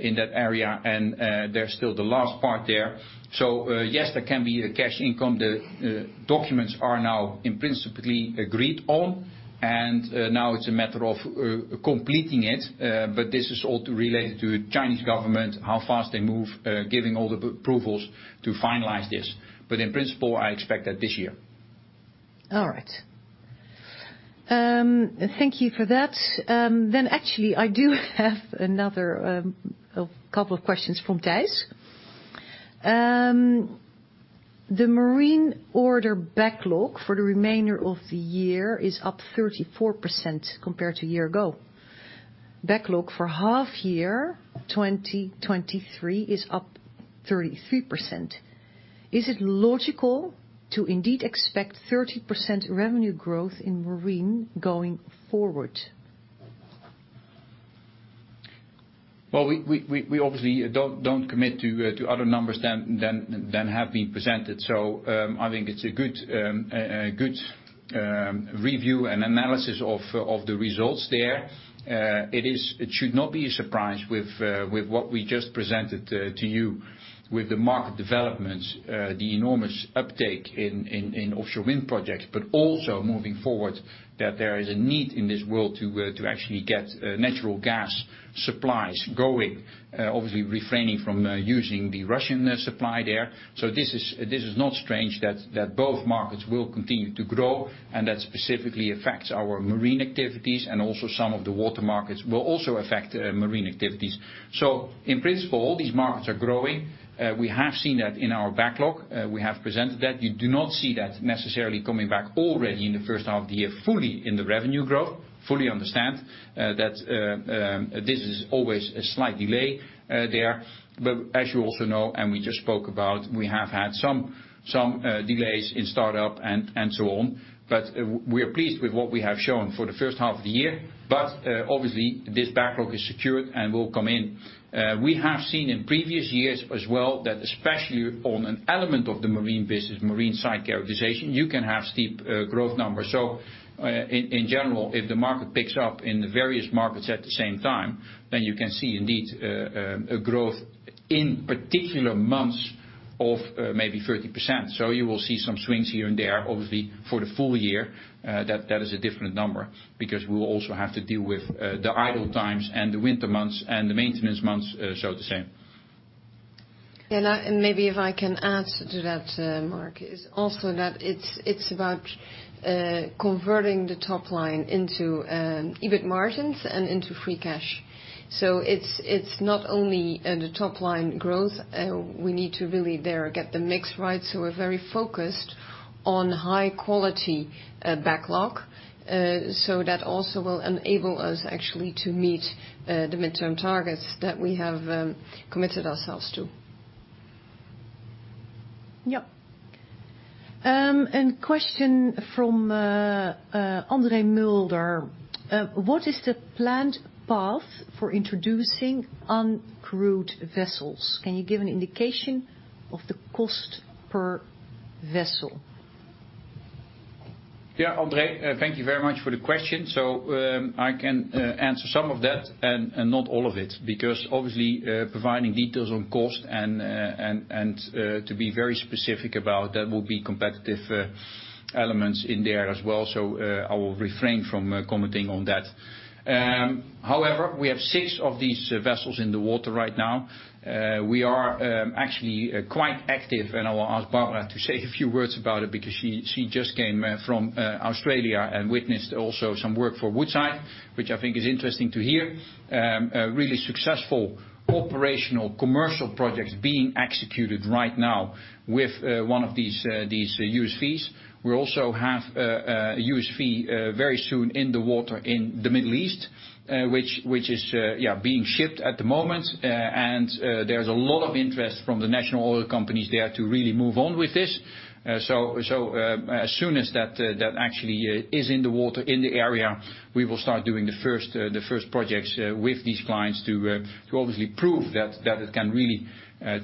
in that area, and there's still the last part there. Yes, there can be a cash income. The documents are now in principle agreed on, and now it's a matter of completing it. This is all related to Chinese government, how fast they move, giving all the approvals to finalize this. In principle, I expect that this year. All right. Thank you for that. Actually, I do have another, a couple of questions from Thijs. The marine order backlog for the remainder of the year is up 34% compared to a year ago. Backlog for half year 2023 is up 33%. Is it logical to indeed expect 30% revenue growth in marine going forward? Well, we obviously don't commit to other numbers than have been presented. I think it's a good review and analysis of the results there. It should not be a surprise with what we just presented to you with the market developments, the enormous uptake in offshore wind projects, but also moving forward that there is a need in this world to actually get natural gas supplies going, obviously refraining from using the Russian supply there. This is not strange that both markets will continue to grow, and that specifically affects our marine activities, and also some of the water markets will also affect marine activities. In principle, all these markets are growing. We have seen that in our backlog. We have presented that. You do not see that necessarily coming back already in the first half of the year, fully in the revenue growth. Fully understand that this is always a slight delay there. As you also know, and we just spoke about, we have had some delays in startup and so on. We are pleased with what we have shown for the first half of the year. Obviously, this backlog is secured and will come in. We have seen in previous years as well that especially on an element of the marine business, marine site characterization, you can have steep growth numbers. In general, if the market picks up in the various markets at the same time, then you can see indeed a growth in particular months of maybe 30%. You will see some swings here and there. Obviously, for the full year, that is a different number because we will also have to deal with the idle times and the winter months and the maintenance months, so to say. Yeah, maybe if I can add to that, Mark, is also that it's about converting the top line into EBIT margins and into free cash. It's not only the top line growth. We need to really there get the mix right, so we're very focused on high-quality backlog. That also will enable us actually to meet the midterm targets that we have committed ourselves to. Question from Andre Mulder. What is the planned path for introducing uncrewed vessels? Can you give an indication of the cost per vessel? Yeah, Andre, thank you very much for the question. I can answer some of that and not all of it, because obviously, providing details on cost and to be very specific about that will be competitive elements in there as well. I will refrain from commenting on that. However, we have six of these vessels in the water right now. We are actually quite active, and I will ask Barbara to say a few words about it because she just came from Australia and witnessed also some work for Woodside, which I think is interesting to hear. A really successful operational commercial projects being executed right now with one of these USVs. We also have a USV very soon in the water in the Middle East, which is being shipped at the moment. There's a lot of interest from the national oil companies there to really move on with this. As soon as that actually is in the water in the area, we will start doing the first projects with these clients to obviously prove that it can really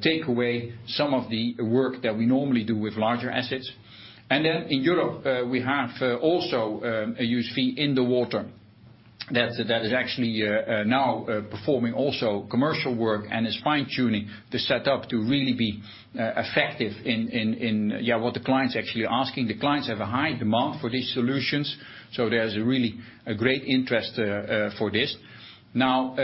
take away some of the work that we normally do with larger assets. Then in Europe, we have also a USV in the water that is actually now performing also commercial work and is fine-tuning the setup to really be effective in what the clients actually asking. The clients have a high demand for these solutions, so there's really a great interest for this. Now,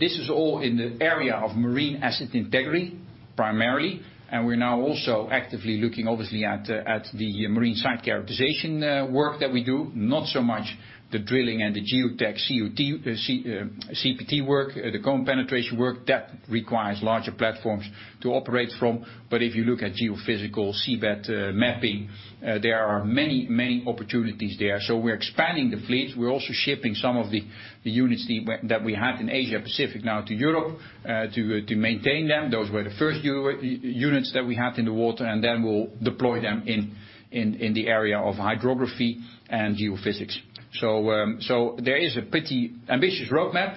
this is all in the area of marine asset integrity, primarily, and we're now also actively looking obviously at the marine site characterization work that we do. Not so much the drilling and the CPT work, the cone penetration work. That requires larger platforms to operate from. If you look at geophysical seabed mapping, there are many opportunities there. We're expanding the fleet. We're also shipping some of the units that we have in Asia Pacific now to Europe to maintain them. Those were the first units that we had in the water, and then we'll deploy them in the area of hydrography and geophysics. There is a pretty ambitious roadmap.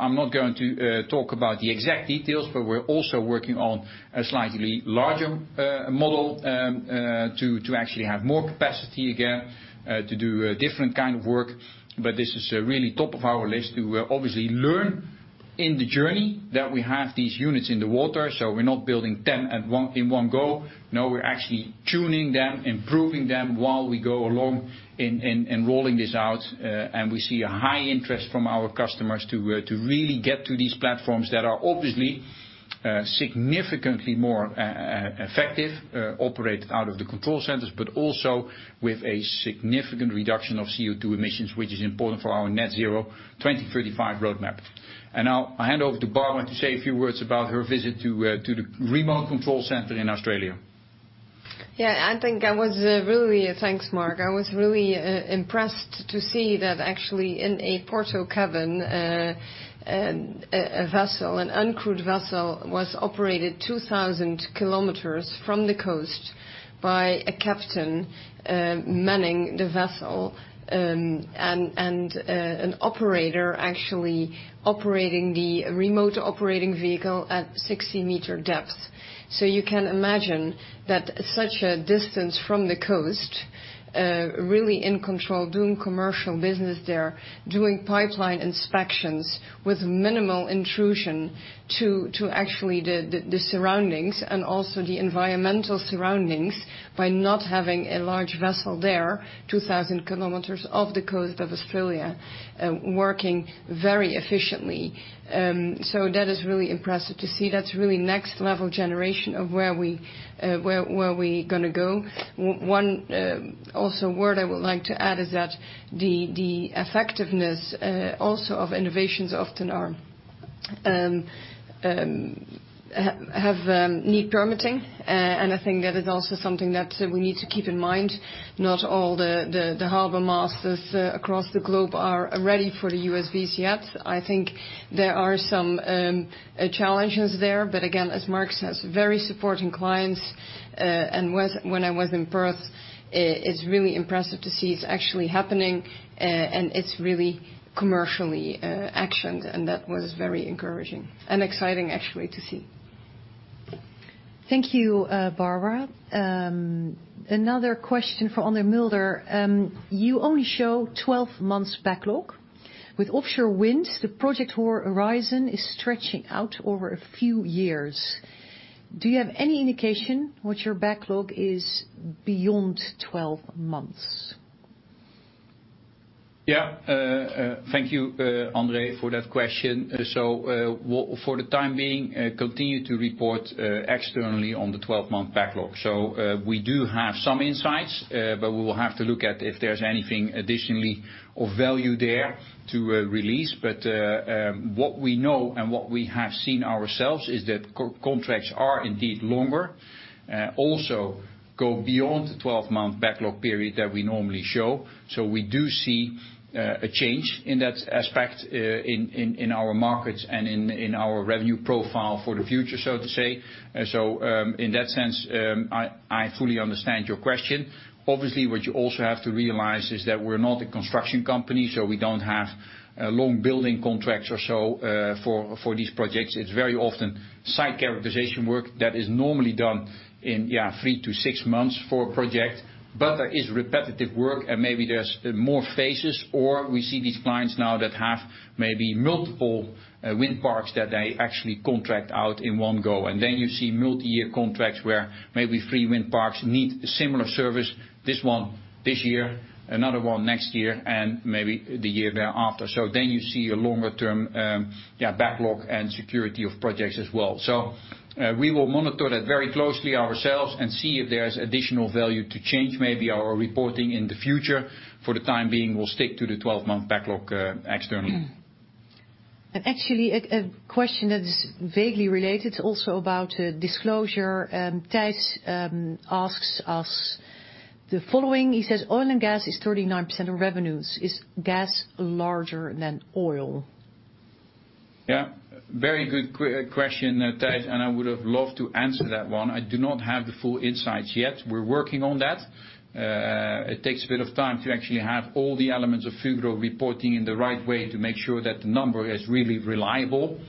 I'm not going to talk about the exact details, but we're also working on a slightly larger model to actually have more capacity again to do a different kind of work. This is really top of our list to obviously learn in the journey that we have these units in the water, so we're not building 10 in one go. No, we're actually tuning them, improving them while we go along in rolling this out. We see a high interest from our customers to really get to these platforms that are obviously significantly more effective operate out of the control centers, but also with a significant reduction of CO2 emissions, which is important for our net zero 2035 roadmap. Now I hand over to Barbara to say a few words about her visit to the remote control center in Australia. Yeah. Thanks, Mark. I was really impressed to see that actually in a portacabin, a vessel, an uncrewed vessel was operated 2,000 km from the coast by a captain manning the vessel, and an operator actually operating the remotely operated vehicle at 60-m depth. You can imagine that such a distance from the coast, really in control, doing commercial business there, doing pipeline inspections with minimal intrusion to actually the surroundings and also the environmental surroundings by not having a large vessel there, 2,000 km off the coast of Australia, working very efficiently. That is really impressive to see. That's really next level generation of where we gonna go. Another word I would like to add is that the effectiveness also of innovations often have need permitting, and I think that is also something that we need to keep in mind. Not all the harbor masters across the globe are ready for the USVs yet. I think there are some challenges there. Again, as Mark says, very supportive clients. When I was in Perth, it's really impressive to see it's actually happening, and it's really commercially actioned, and that was very encouraging and exciting actually to see. Thank you, Barbara. Another question for Andre Mulder. You only show 12 months backlog. With offshore wind, the project horizon is stretching out over a few years. Do you have any indication what your backlog is beyond 12 months? Yeah. Thank you, Andre, for that question. For the time being, we continue to report externally on the 12-month backlog. We do have some insights, but we will have to look at if there's anything additionally of value there to release. What we know and what we have seen ourselves is that those contracts are indeed longer, also go beyond the 12-month backlog period that we normally show. We do see a change in that aspect in our markets and in our revenue profile for the future, so to say. In that sense, I fully understand your question. Obviously, what you also have to realize is that we're not a construction company, so we don't have long building contracts or so, for these projects. It's very often site characterization work that is normally done in three to six months for a project, but it is repetitive work and maybe there's more phases, or we see these clients now that have maybe multiple wind farms that they actually contract out in one go. Then you see multi-year contracts where maybe three wind farms need similar service, this one this year, another one next year, and maybe the year thereafter. Then you see a longer term backlog and security of projects as well. We will monitor that very closely ourselves and see if there's additional value to change maybe our reporting in the future. For the time being, we'll stick to the 12-month backlog externally. Actually, a question that is vaguely related also about disclosure. Thijs asks us the following. He says oil and gas is 39% of revenues. Is gas larger than oil? Very good question, Thijs, and I would have loved to answer that one. I do not have the full insights yet. We're working on that. It takes a bit of time to actually have all the elements of Fugro reporting in the right way to make sure that the number is really reliable.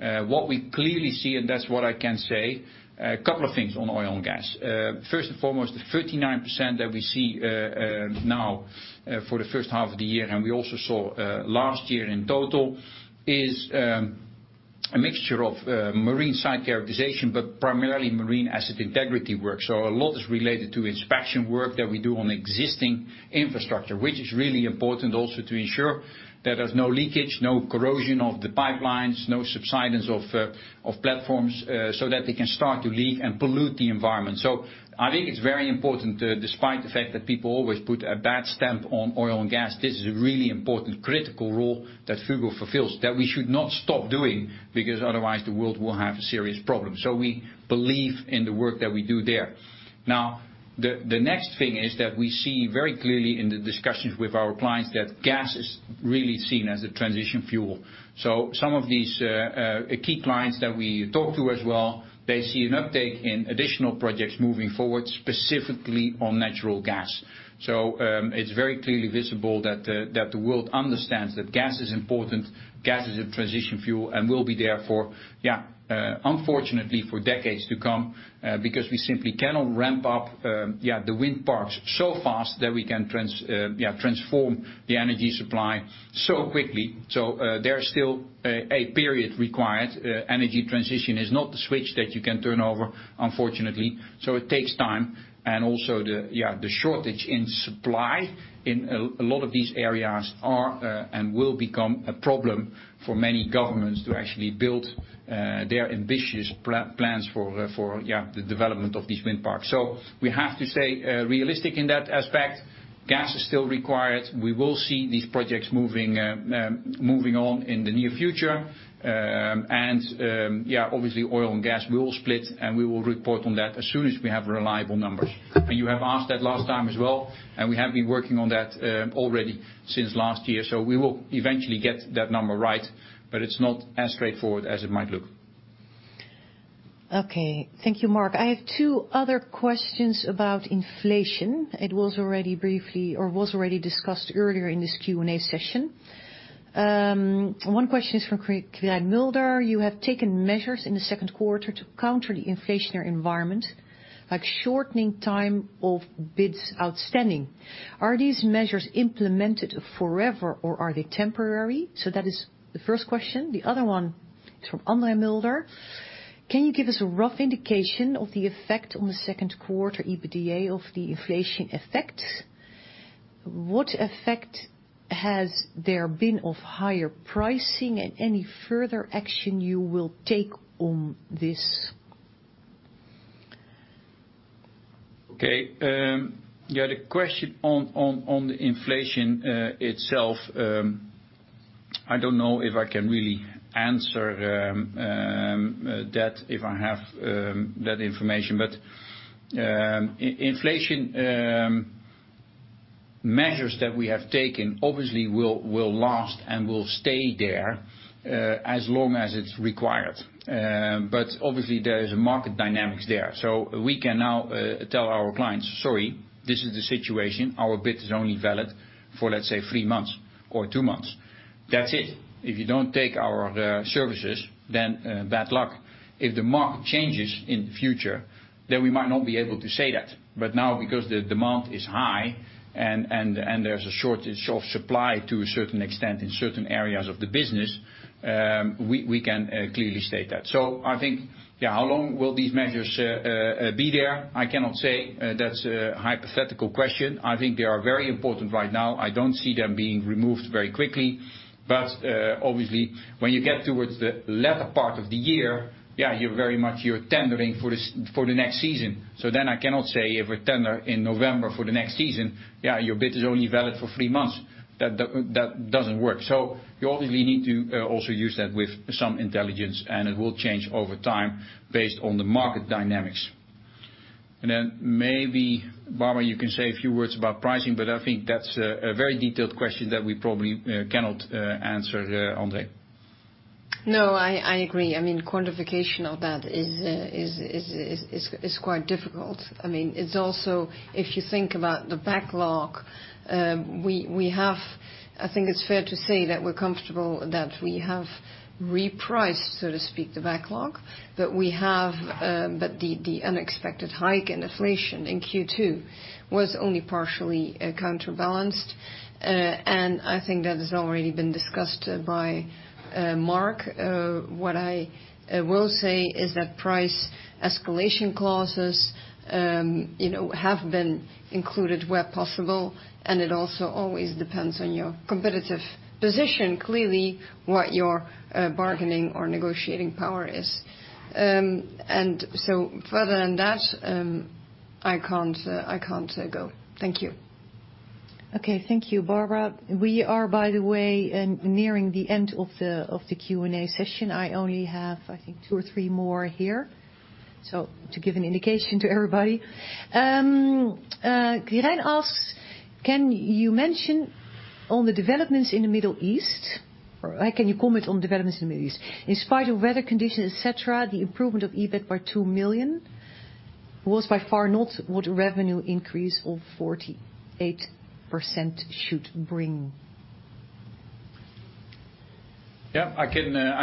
What we clearly see, and that's what I can say, a couple of things on oil and gas. First and foremost, the 39% that we see now for the first half of the year, and we also saw last year in total, is a mixture of marine site characterization, but primarily marine asset integrity work. A lot is related to inspection work that we do on existing infrastructure, which is really important also to ensure there is no leakage, no corrosion of the pipelines, no subsidence of of platforms, so that they can start to leak and pollute the environment. I think it's very important, despite the fact that people always put a bad stamp on oil and gas, this is a really important critical role that Fugro fulfills, that we should not stop doing because otherwise the world will have serious problems. We believe in the work that we do there. Now, the next thing is that we see very clearly in the discussions with our clients that gas is really seen as a transition fuel. Some of these key clients that we talk to as well, they see an uptake in additional projects moving forward, specifically on natural gas. It's very clearly visible that the world understands that gas is important, gas is a transition fuel, and will be there for, unfortunately, for decades to come, because we simply cannot ramp up the wind parks so fast that we can transform the energy supply so quickly. There is still a period required. Energy transition is not a switch that you can turn over, unfortunately. It takes time, and also the shortage in supply in a lot of these areas are and will become a problem for many governments to actually build their ambitious plans for the development of these wind parks. We have to stay realistic in that aspect. Gas is still required. We will see these projects moving on in the near future. Obviously, oil and gas will split, and we will report on that as soon as we have reliable numbers. You have asked that last time as well, and we have been working on that already since last year. We will eventually get that number right, but it's not as straightforward as it might look. Okay. Thank you, Mark. I have two other questions about inflation. It was already briefly discussed earlier in this Q&A session. One question is from Quirijn Mulder. You have taken measures in the second quarter to counter the inflationary environment, like shortening time of bids outstanding. Are these measures implemented forever or are they temporary? That is the first question. The other one is from Andre Mulder. Can you give us a rough indication of the effect on the second quarter EBITDA of the inflation effects? What effect has there been of higher pricing and any further action you will take on this? Okay. Yeah, the question on the inflation itself, I don't know if I can really answer that if I have that information. Inflation measures that we have taken obviously will last and will stay there as long as it's required. Obviously, there is market dynamics there. We can now tell our clients, "Sorry, this is the situation. Our bid is only valid for, let's say, three months or two months. That's it. If you don't take our services, then bad luck." If the market changes in the future, then we might not be able to say that. Now, because the demand is high and there's a shortage of supply to a certain extent in certain areas of the business, we can clearly state that. I think, how long will these measures be there? I cannot say. That's a hypothetical question. I think they are very important right now. I don't see them being removed very quickly. Obviously, when you get towards the latter part of the year, you're tendering for the next season. I cannot say if a tender in November for the next season, your bid is only valid for three months. That doesn't work. You obviously need to also use that with some intelligence, and it will change over time based on the market dynamics. Then maybe, Barbara, you can say a few words about pricing, but I think that's a very detailed question that we probably cannot answer, Andre. No, I agree. I mean, quantification of that is quite difficult. I mean, it's also, if you think about the backlog, I think it's fair to say that we're comfortable that we have repriced, so to speak, the backlog, but the unexpected hike in inflation in Q2 was only partially counterbalanced. I think that has already been discussed by Mark. What I will say is that price escalation clauses, you know, have been included where possible, and it also always depends on your competitive position, clearly, what your bargaining or negotiating power is. Further than that, I can't go. Thank you. Okay. Thank you, Barbara. We are, by the way, nearing the end of the Q&A session. I only have, I think, two or three more here. To give an indication to everybody. Quirijn asks, "Can you mention on the developments in the Middle East, or can you comment on developments in the Middle East? In spite of weather conditions, et cetera, the improvement of EBIT by 2 million was by far not what revenue increase of 48% should bring. Yeah, I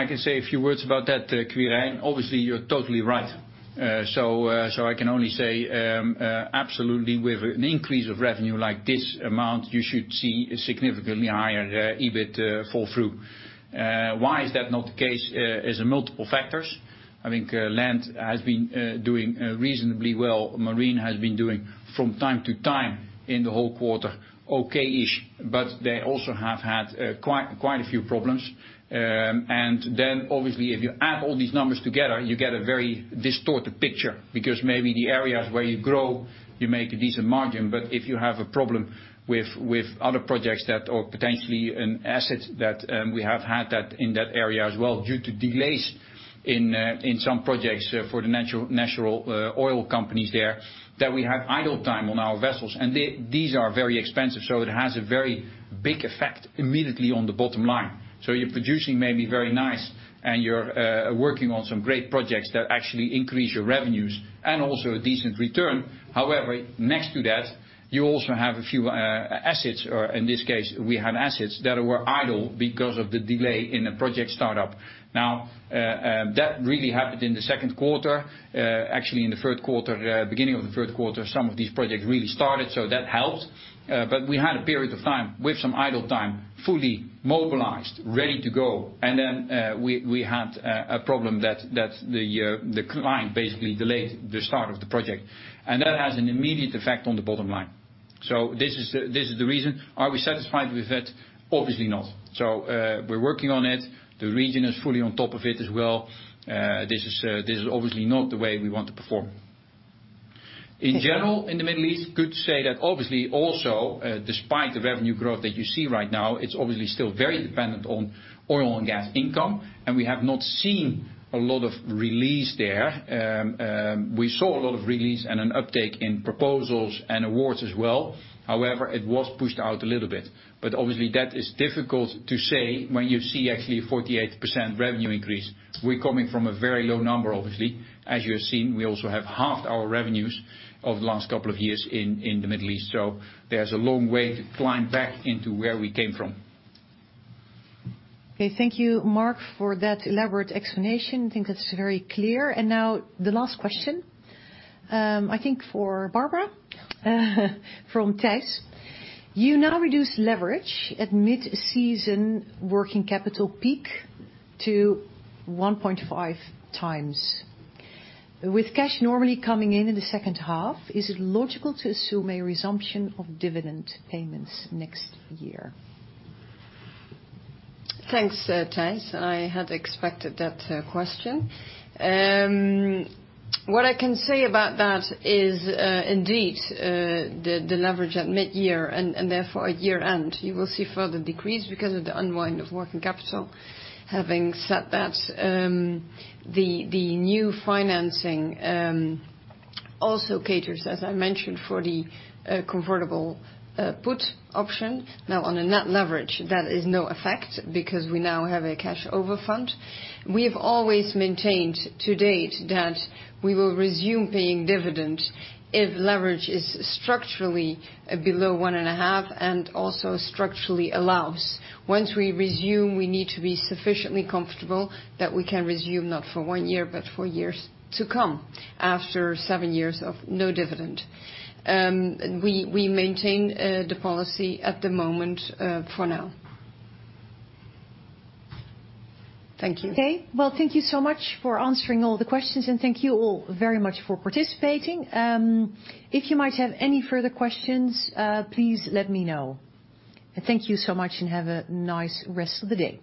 can say a few words about that, Quirijn. Obviously, you're totally right. I can only say absolutely, with an increase of revenue like this amount, you should see a significantly higher EBIT flow through. Why is that not the case? It's multiple factors. I think Land has been doing reasonably well. Marine has been doing from time to time in the whole quarter, okay-ish, but they also have had quite a few problems. Obviously, if you add all these numbers together, you get a very distorted picture because maybe the areas where you grow, you make a decent margin. If you have a problem with other projects that or potentially an asset that we have had that in that area as well, due to delays in some projects for the national oil companies there, that we have idle time on our vessels, and these are very expensive, so it has a very big effect immediately on the bottom line. You're producing maybe very nice and you're working on some great projects that actually increase your revenues and also a decent return. However, next to that, you also have a few assets, or in this case, we had assets that were idle because of the delay in the project startup. Now, that really happened in the second quarter. Actually, in the third quarter, beginning of the third quarter, some of these projects really started, so that helped. But we had a period of time with some idle time, fully mobilized, ready to go, and then we had a problem that the client basically delayed the start of the project. That has an immediate effect on the bottom line. This is the reason. Are we satisfied with it? Obviously not. We're working on it. The region is fully on top of it as well. This is obviously not the way we want to perform. Okay. In general, in the Middle East, good to say that obviously also, despite the revenue growth that you see right now, it's obviously still very dependent on oil and gas income, and we have not seen a lot of release there. We saw a lot of release and an uptake in proposals and awards as well. However, it was pushed out a little bit. Obviously, that is difficult to say when you see actually a 48% revenue increase. We're coming from a very low number, obviously. As you have seen, we also have halved our revenues over the last couple of years in the Middle East. There's a long way to climb back into where we came from. Okay, thank you, Mark, for that elaborate explanation. I think that's very clear. Now the last question, I think for Barbara, from Thijs. "You now reduce leverage at mid-season working capital peak to 1.5x. With cash normally coming in in the second half, is it logical to assume a resumption of dividend payments next year? Thanks, Thijs. I had expected that question. What I can say about that is, indeed, the leverage at mid-year and therefore year-end, you will see further decrease because of the unwind of working capital. Having said that, the new financing also caters, as I mentioned, for the convertible put option. Now, on a net leverage, that is no effect because we now have a cash overfund. We have always maintained to date that we will resume paying dividend if leverage is structurally below 1.5 and also structurally allows. Once we resume, we need to be sufficiently comfortable that we can resume not for one year, but for years to come after seven years of no dividend. We maintain the policy at the moment, for now. Thank you. Okay. Well, thank you so much for answering all the questions, and thank you all very much for participating. If you might have any further questions, please let me know. Thank you so much, and have a nice rest of the day.